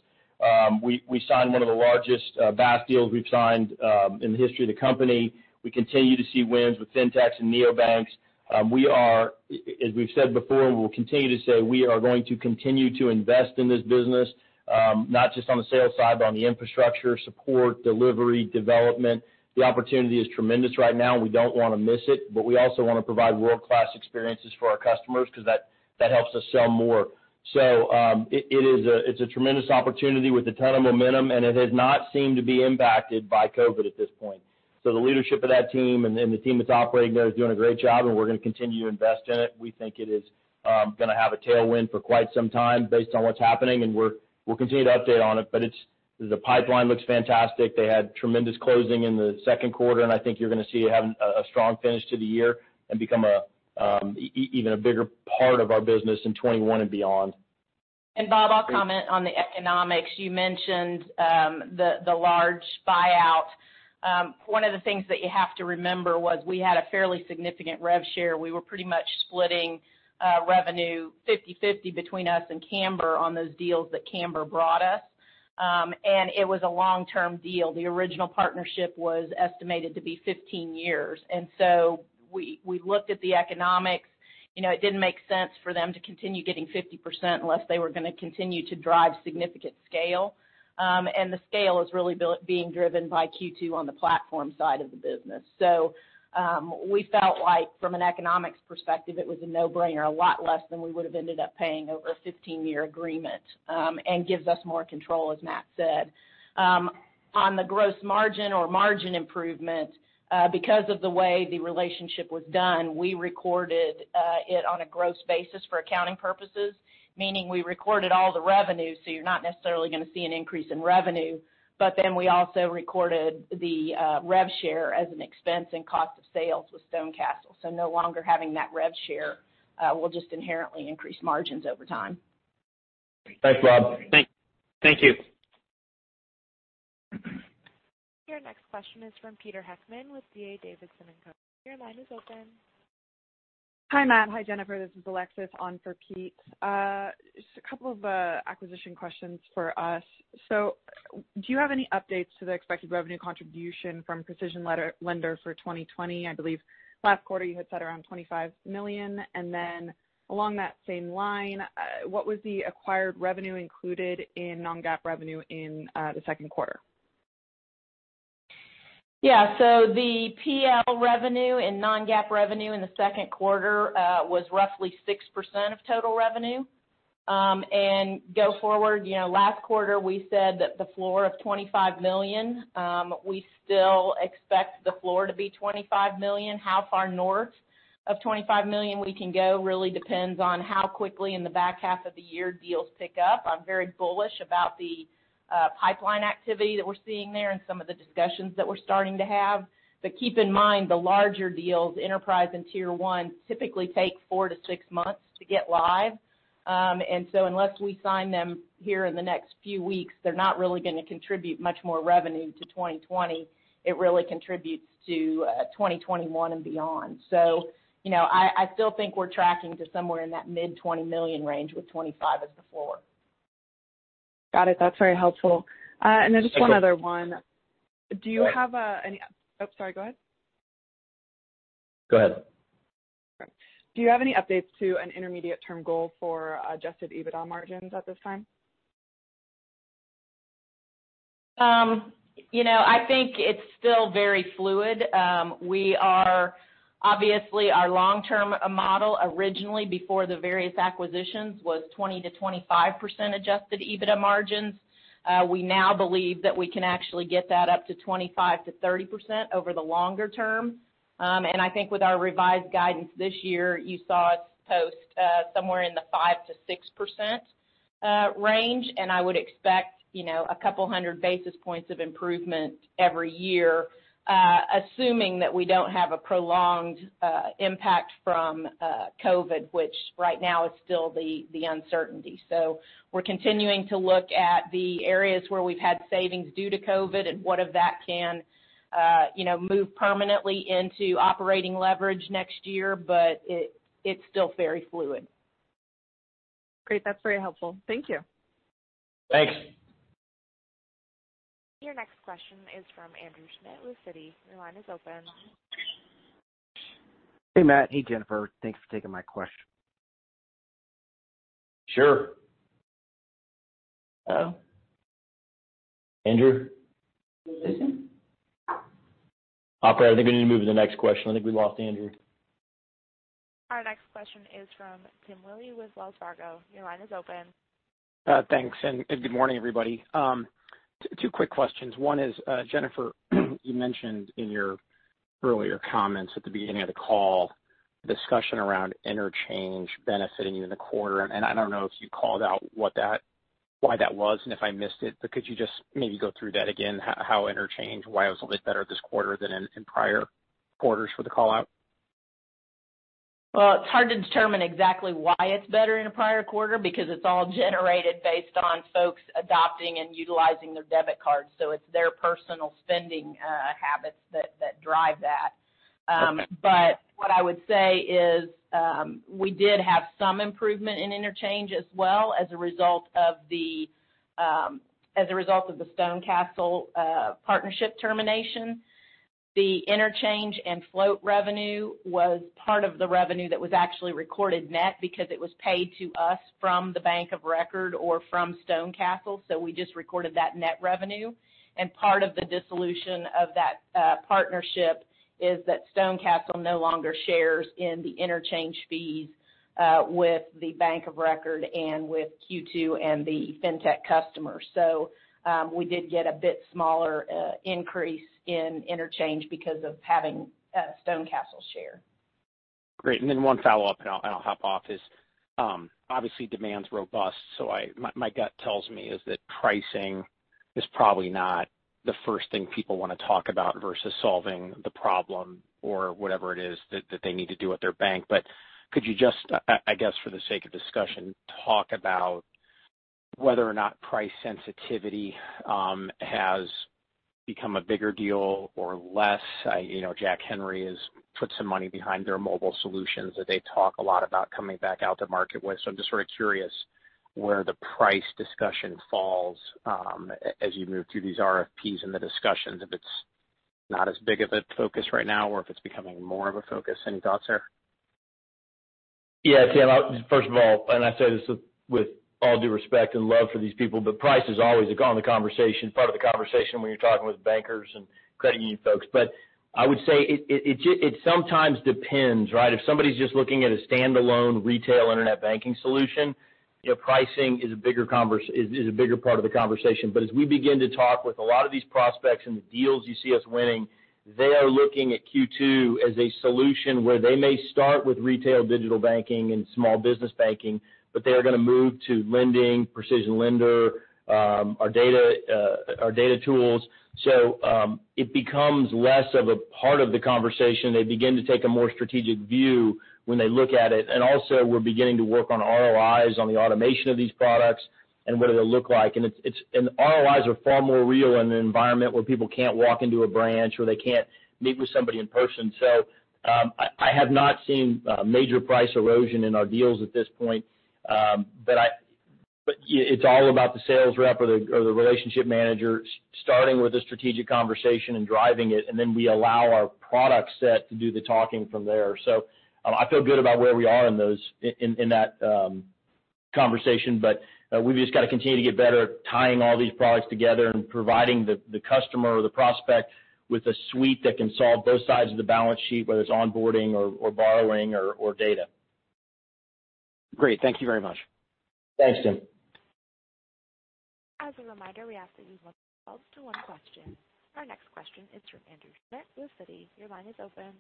We signed one of the largest BaaS deals we've signed in the history of the company. We continue to see wins with FinTechs and neobanks. As we've said before, and we'll continue to say, we are going to continue to invest in this business, not just on the sales side, but also in the infrastructure, support, delivery, and development. The opportunity is tremendous right now. We don't want to miss it, but we also want to provide world-class experiences for our customers because that helps us sell more. It's a tremendous opportunity with a ton of momentum, and it has not seemed to be impacted by COVID at this point. The leadership of that team and the team that's operating there is doing a great job, and we're going to continue to invest in it. We think it is going to have a tailwind for quite some time based on what's happening, and we'll continue to update on it. The pipeline looks fantastic. They had tremendous closing in the second quarter, and I think you're going to see it have a strong finish to the year and become even a bigger part of our business in 2021 and beyond. Bob, I'll comment on the economics. You mentioned the large buyout. One of the things that you have to remember is we had a fairly significant rev share. We were pretty much splitting revenue 50/50 between us and Cambr on those deals that Cambr brought us. It was a long-term deal. The original partnership was estimated to be 15 years. We looked at the economics. It didn't make sense for them to continue getting 50% unless they were going to continue to drive significant scale. The scale is really being driven by Q2 on the platform side of the business. We felt like from an economics perspective, it was a no-brainer, a lot less than we would have ended up paying over a 15-year agreement, and it gives us more control, as Matt said. On the gross margin or margin improvement, because of the way the relationship was done, we recorded it on a gross basis for accounting purposes, meaning we recorded all the revenue; you're not necessarily going to see an increase in revenue. We also recorded the rev share as an expense and cost of sales with StoneCastle. No longer having that rev share will just inherently increase margins over time. Thanks, Bob. Thank you. Your next question is from Peter Heckmann with D.A. Davidson & Co. Your line is open. Hi, Matt. Hi, Jennifer. This is Alexis on for Peter. Just a couple of acquisition questions for us. Do you have any updates to the expected revenue contribution from PrecisionLender for 2020? I believe last quarter you had said around $25 million. Along that same line, what was the acquired revenue included in non-GAAP revenue in the second quarter? Yeah. The PL revenue and non-GAAP revenue in the second quarter were roughly 6% of total revenue. Go forward; last quarter we said that the floor was $25 million. We still expect the floor to be $25 million. How far north of $25 million we can go really depends on how quickly in the back half of the year deals pick up. I'm very bullish about the pipeline activity that we're seeing there and some of the discussions that we're starting to have. Keep in mind, the larger deals, enterprise and Tier 1, typically take four-six months to get live. Unless we sign them here in the next few weeks, they're not really going to contribute much more revenue to 2020. It really contributes to 2021 and beyond. I still think we're tracking to somewhere in that mid-$20 million range with $25 as the floor. Got it. That's very helpful. Just one other one. Okay. Oh, sorry. Go ahead. Go ahead. Do you have any updates to an intermediate-term goal for Adjusted EBITDA margins at this time? I think it's still very fluid. Obviously, our long-term model originally, before the various acquisitions, was 20%-25% Adjusted EBITDA margins. We now believe that we can actually get that up to 25%-30% over the longer term. I think with our revised guidance this year, you saw us post somewhere in the 5%-6% range, and I would expect a couple hundred basis points of improvement every year, assuming that we don't have a prolonged impact from COVID, which right now is still the uncertainty. We're continuing to look at the areas where we've had savings due to COVID and how much of that can move permanently into operating leverage next year. It's still very fluid. Great. That's very helpful. Thank you. Thanks. Your next question is from Andrew Schmidt with Citi. Your line is open. Hey, Matt. Hey, Jennifer. Thanks for taking my question. Sure. Andrew? Operator, I think we need to move to the next question. I think we lost Andrew. Our next question is from Tim Willi with Wells Fargo. Your line is open. Thanks, good morning, everyone. Two quick questions. One is, Jennifer, you mentioned in your earlier comments at the beginning of the call a discussion around interchange benefiting you in the quarter, and I don't know if you called out why that was and if I missed it. Could you just maybe go through that again, interchange, and why it was a little bit better this quarter than in prior quarters for the call-out? Well, it's hard to determine exactly why it's better in a prior quarter because it's all generated based on folks adopting and utilizing their debit cards. It's their personal spending habits that drive that. Okay. What I would say is we did have some improvement in interchange as well as a result of the StoneCastle partnership termination. The interchange and float revenue was part of the revenue that was actually recorded net because it was paid to us from the bank of record or from StoneCastle. We just recorded that net revenue. Part of the dissolution of that partnership is that StoneCastle no longer shares in the interchange fees with the bank of record and with Q2 and the fintech customer. We did get a bit smaller increase in interchange because of having StoneCastle's share. Great. Then one follow-up and I'll hop off; obviously demand is robust. my gut tells me that pricing is probably not the first thing people want to talk about versus solving the problem or whatever it is that they need to do at their bank. Could you just, I guess, for the sake of discussion, talk about whether or not price sensitivity has become a bigger deal or less? Jack Henry has put some money behind their mobile solutions that they talk a lot about coming back out to market with. I'm just sort of curious where the price discussion falls as you move through these RFPs and the discussions, if it's not as big of a focus right now or if it's becoming more of a focus. Any thoughts there? Tim, first of all, I say this with all due respect and love for these people: price is always part of the conversation when you're talking with bankers and credit union folks. I would say it sometimes depends, right? If somebody's just looking at a standalone retail internet banking solution, pricing is a bigger part of the conversation. As we begin to talk with a lot of these prospects and the deals you see us winning, they are looking at Q2 as a solution where they may start with retail digital banking and small business banking, but they are going to move to lending, PrecisionLender, and our data tools. It becomes less of a part of the conversation. They begin to take a more strategic view when they look at it. Also, we're beginning to work on ROIs on the automation of these products and what they look like. ROIs are far more real in an environment where people can't walk into a branch or they can't meet with somebody in person. I have not seen a major price erosion in our deals at this point. It's all about the sales rep or the relationship manager starting with a strategic conversation and driving it, and then we allow our product set to do the talking from there. I feel good about where we are in that conversation. We've just got to continue to get better at tying all these products together and providing the customer or the prospect with a suite that can solve both sides of the balance sheet, whether it's onboarding or borrowing or data. Great. Thank you very much. Thanks, Tim. As a reminder, we ask that you limit yourselves to one question. Our next question is from Andrew Schmidt with Citigroup. Your line is open.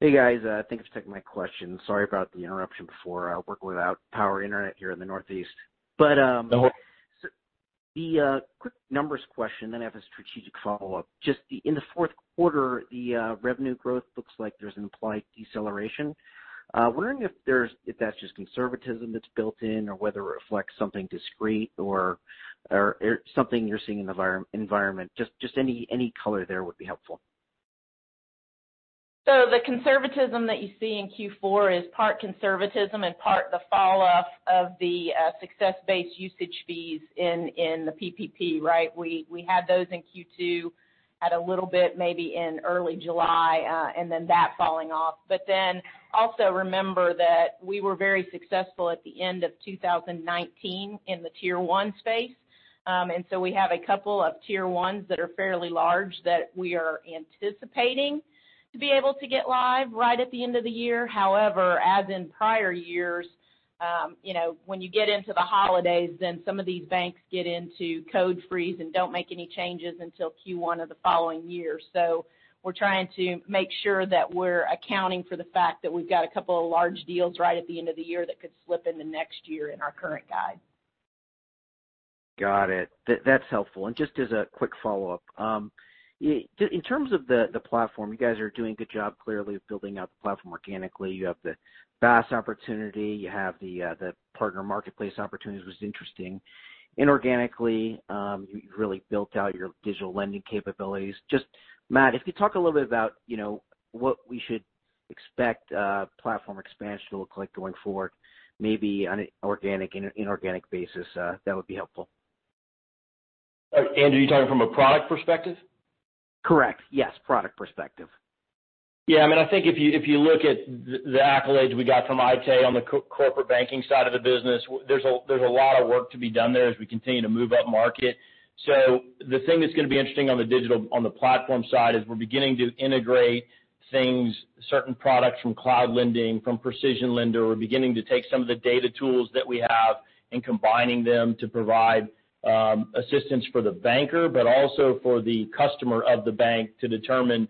Hey, guys. Thanks for taking my question. Sorry about the interruption before. I work without power or internet here in the Northeast. No worries. The quick numbers question. I have a strategic follow-up. Just in the fourth quarter, the revenue growth looks like there's an implied deceleration. Wondering if that's just conservatism that's built in or whether it reflects something discrete or something you're seeing in the environment? Just any color there would be helpful. The conservatism that you see in Q4 is part conservatism and part the falloff of the success-based usage fees in the PPP, right? We had those in Q2 a little bit, maybe in early July, and then that fell off. Also remember that we were very successful at the end of 2019 in the Tier 1 space. We have a couple of Tier 1s that are fairly large that we are anticipating being able to get live right at the end of the year. However, as in prior years, when you get into the holidays, then some of these banks get into code freeze and don't make any changes until Q1 of the following year. We're trying to make sure that we're accounting for the fact that we've got a couple of large deals right at the end of the year that could slip into next year in our current guide. Got it. That's helpful. Just as a quick follow-up. In terms of the platform, you guys are doing a good job, clearly, of building out the platform organically. You have the BaaS opportunity; you have the partner marketplace opportunities, which is interesting. Inorganically, you've really built out your digital lending capabilities. Just, Matt, if you talk a little bit about what we should expect platform expansion to look like going forward, maybe on an organic and inorganic basis, that would be helpful. Andrew, are you talking from a product perspective? Correct. Yes. Product perspective. Yeah. I think if you look at the accolades we got from IT on the corporate banking side of the business, there's a lot of work to be done there as we continue to move up market. The thing that's going to be interesting on the platform side is we're beginning to integrate certain products from Cloud Lending and PrecisionLender. We're beginning to take some of the data tools that we have and combining them to provide assistance for the banker but also for the customer of the bank to determine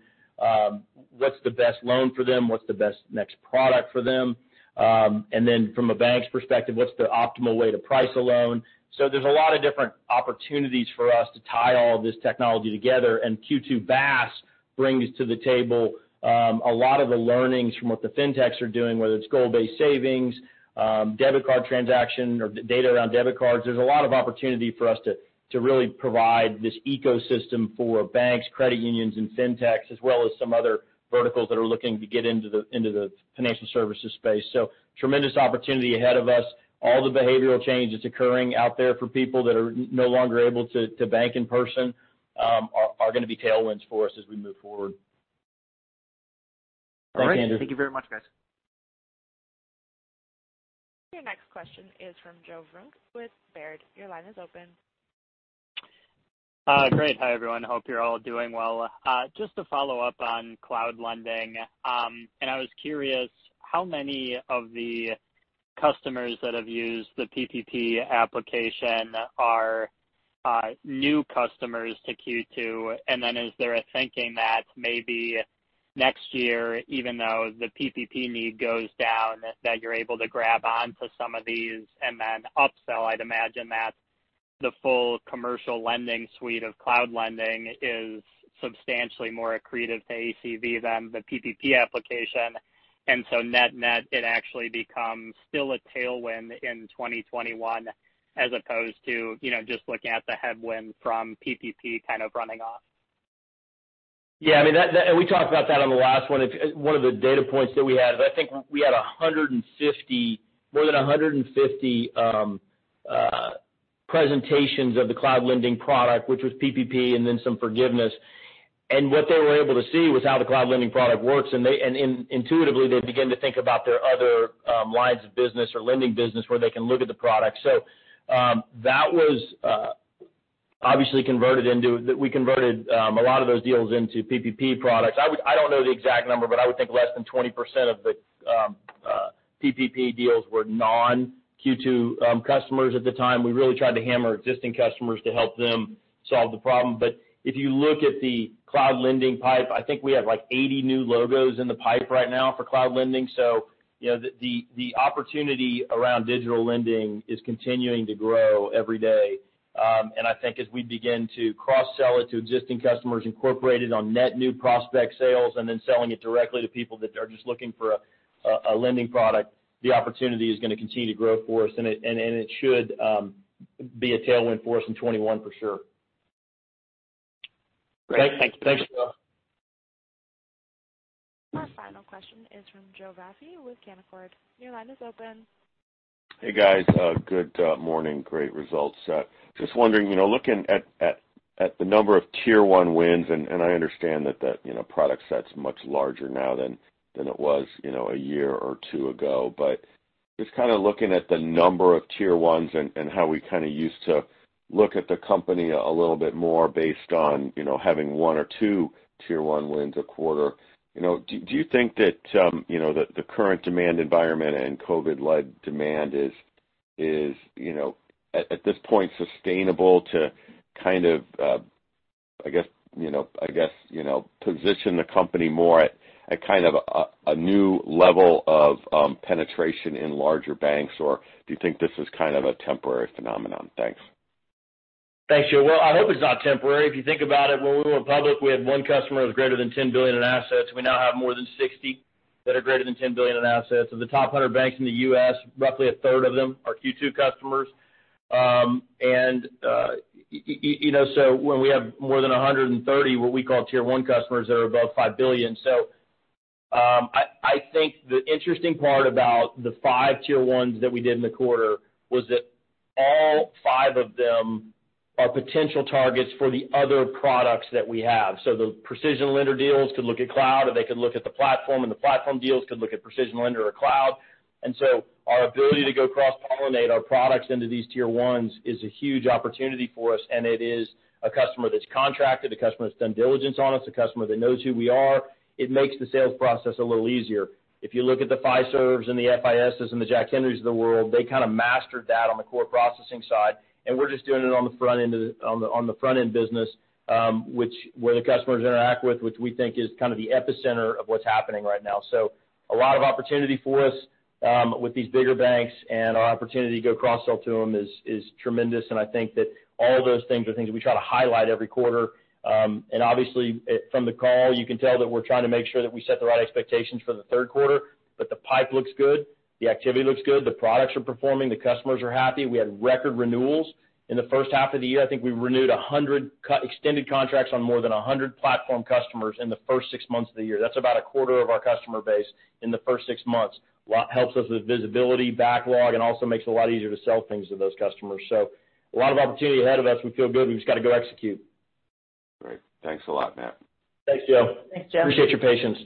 what's the best loan for them and what's the best next product for them. From a bank's perspective, what's the optimal way to price a loan? There are a lot of different opportunities for us to tie all of this technology together. Q2 BaaS brings to the table a lot of the learnings from what the fintechs are doing, whether it's goal-based savings, debit card transactions, or data around debit cards. There's a lot of opportunity for us to really provide this ecosystem for banks, credit unions, and fintechs, as well as some other verticals that are looking to get into the financial services space. Tremendous opportunity ahead of us. All the behavioral change that's occurring out there for people that are no longer able to bank in person is going to be a tailwind for us as we move forward. All right, Andrew. Thank you very much, guys. Your next question is from Joe Vruwink with Baird. Your line is open. Great. Hi, everyone. Hope you’re all doing well. Just to follow up on Cloud Lending. I was curious how many of the customers that have used the PPP application are new customers to Q2. Is there a thought that maybe next year, even though the PPP need goes down, that you’re able to grab onto some of these and then upsell? I’d imagine that the full commercial lending suite of Cloud Lending is substantially more accretive to ACV than the PPP application. Net, it actually becomes still a tailwind in 2021 as opposed to just looking at the headwind from PPP kind of running out. Yeah. We talked about that on the last one. One of the data points that we had—I think we had more than 150 presentations of the Cloud Lending product, which was PPP, and then some forgiveness. What they were able to see was how the Cloud Lending product works, and intuitively, they began to think about their other lines of business or lending businesses where they could look at the product. We converted a lot of those deals into PPP products. I don't know the exact number, but I would think less than 20% of the PPP deals were non-Q2 customers at the time. We really tried to hammer existing customers to help them solve the problem. If you look at the Cloud Lending pipe, I think we have 80 new logos in the pipe right now for Cloud Lending. The opportunity around digital lending is continuing to grow every day. I think as we begin to cross-sell it to existing customers, incorporate it in net new prospect sales, and then sell it directly to people that are just looking for a lending product, the opportunity is going to continue to grow for us. It should be a tailwind for us in 2021, for sure. Great. Thank you. Thanks, Joe. Our final question is from Joe Vafi with Canaccord. Your line is open. Hey, guys. Good morning. Great results. Just wondering, looking at the number of Tier 1 wins, and I understand that the product set's much larger now than it was a year or two ago. Just kind of looking at the number of Tier 1s and how we kind of used to look at the company a little bit more based on having one or two Tier 1 wins a quarter, do you think that the current demand environment and COVID-led demand are, at this point, sustainable to kind of, I guess, position the company more at kind of a new level of penetration in larger banks? Or do you think this is kind of a temporary phenomenon? Thanks. Thanks, Joe. Well, I hope it's not temporary. If you think about it, when we went public, we had one customer that was greater than $10 billion in assets. We now have more than 60 that are greater than $10 billion in assets. The top 100 banks in the U.S., roughly a third of them are Q2 customers. When we have more than 130, what we call Tier 1 customers that are above $5 billion. I think the interesting part about the five Tier 1s that we did in the quarter was that all five of them are potential targets for the other products that we have. The PrecisionLender deals could look at Cloud, or they could look at the platform, and the platform deals could look at PrecisionLender or Cloud. Our ability to cross-pollinate our products into these Tier 1s is a huge opportunity for us, and it is a customer that's contracted, a customer that's done diligence on us, a customer that knows who we are. It makes the sales process a little easier. If you look at the Fiservs and the FISs and the Jack Henrys of the world, they kind of mastered that on the core processing side, and we're just doing it on the front-end business, where the customers interact, which we think is kind of the epicenter of what's happening right now. A lot of opportunity for us with these bigger banks, and our opportunity to go cross-sell to them is tremendous, and I think that all those things are things we try to highlight every quarter. Obviously, from the call, you can tell that we're trying to make sure that we set the right expectations for the third quarter, but the pipe looks good. The activity looks good. The products are performing. The customers are happy. We had record renewals in the first half of the year. I think we renewed 100 extended contracts with more than 100 platform customers in the first six months of the year. That's about a quarter of our customer base in the first six months. Helps us with visibility, backlog, and also makes it a lot easier to sell things to those customers. A lot of opportunity ahead of us. We feel good. We've just got to go execute. Great. Thanks a lot, Matt. Thanks, Joe. Thanks, Joe. Appreciate your patience.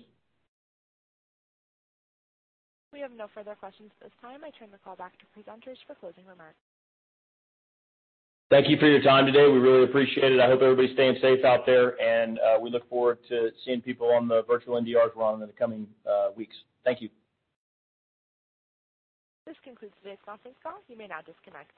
We have no further questions at this time. I turn the call back to presenters for closing remarks. Thank you for your time today. We really appreciate it. I hope everybody's staying safe out there, and we look forward to seeing people on the virtual NDR run in the coming weeks. Thank you. This concludes today's conference call. You may now disconnect.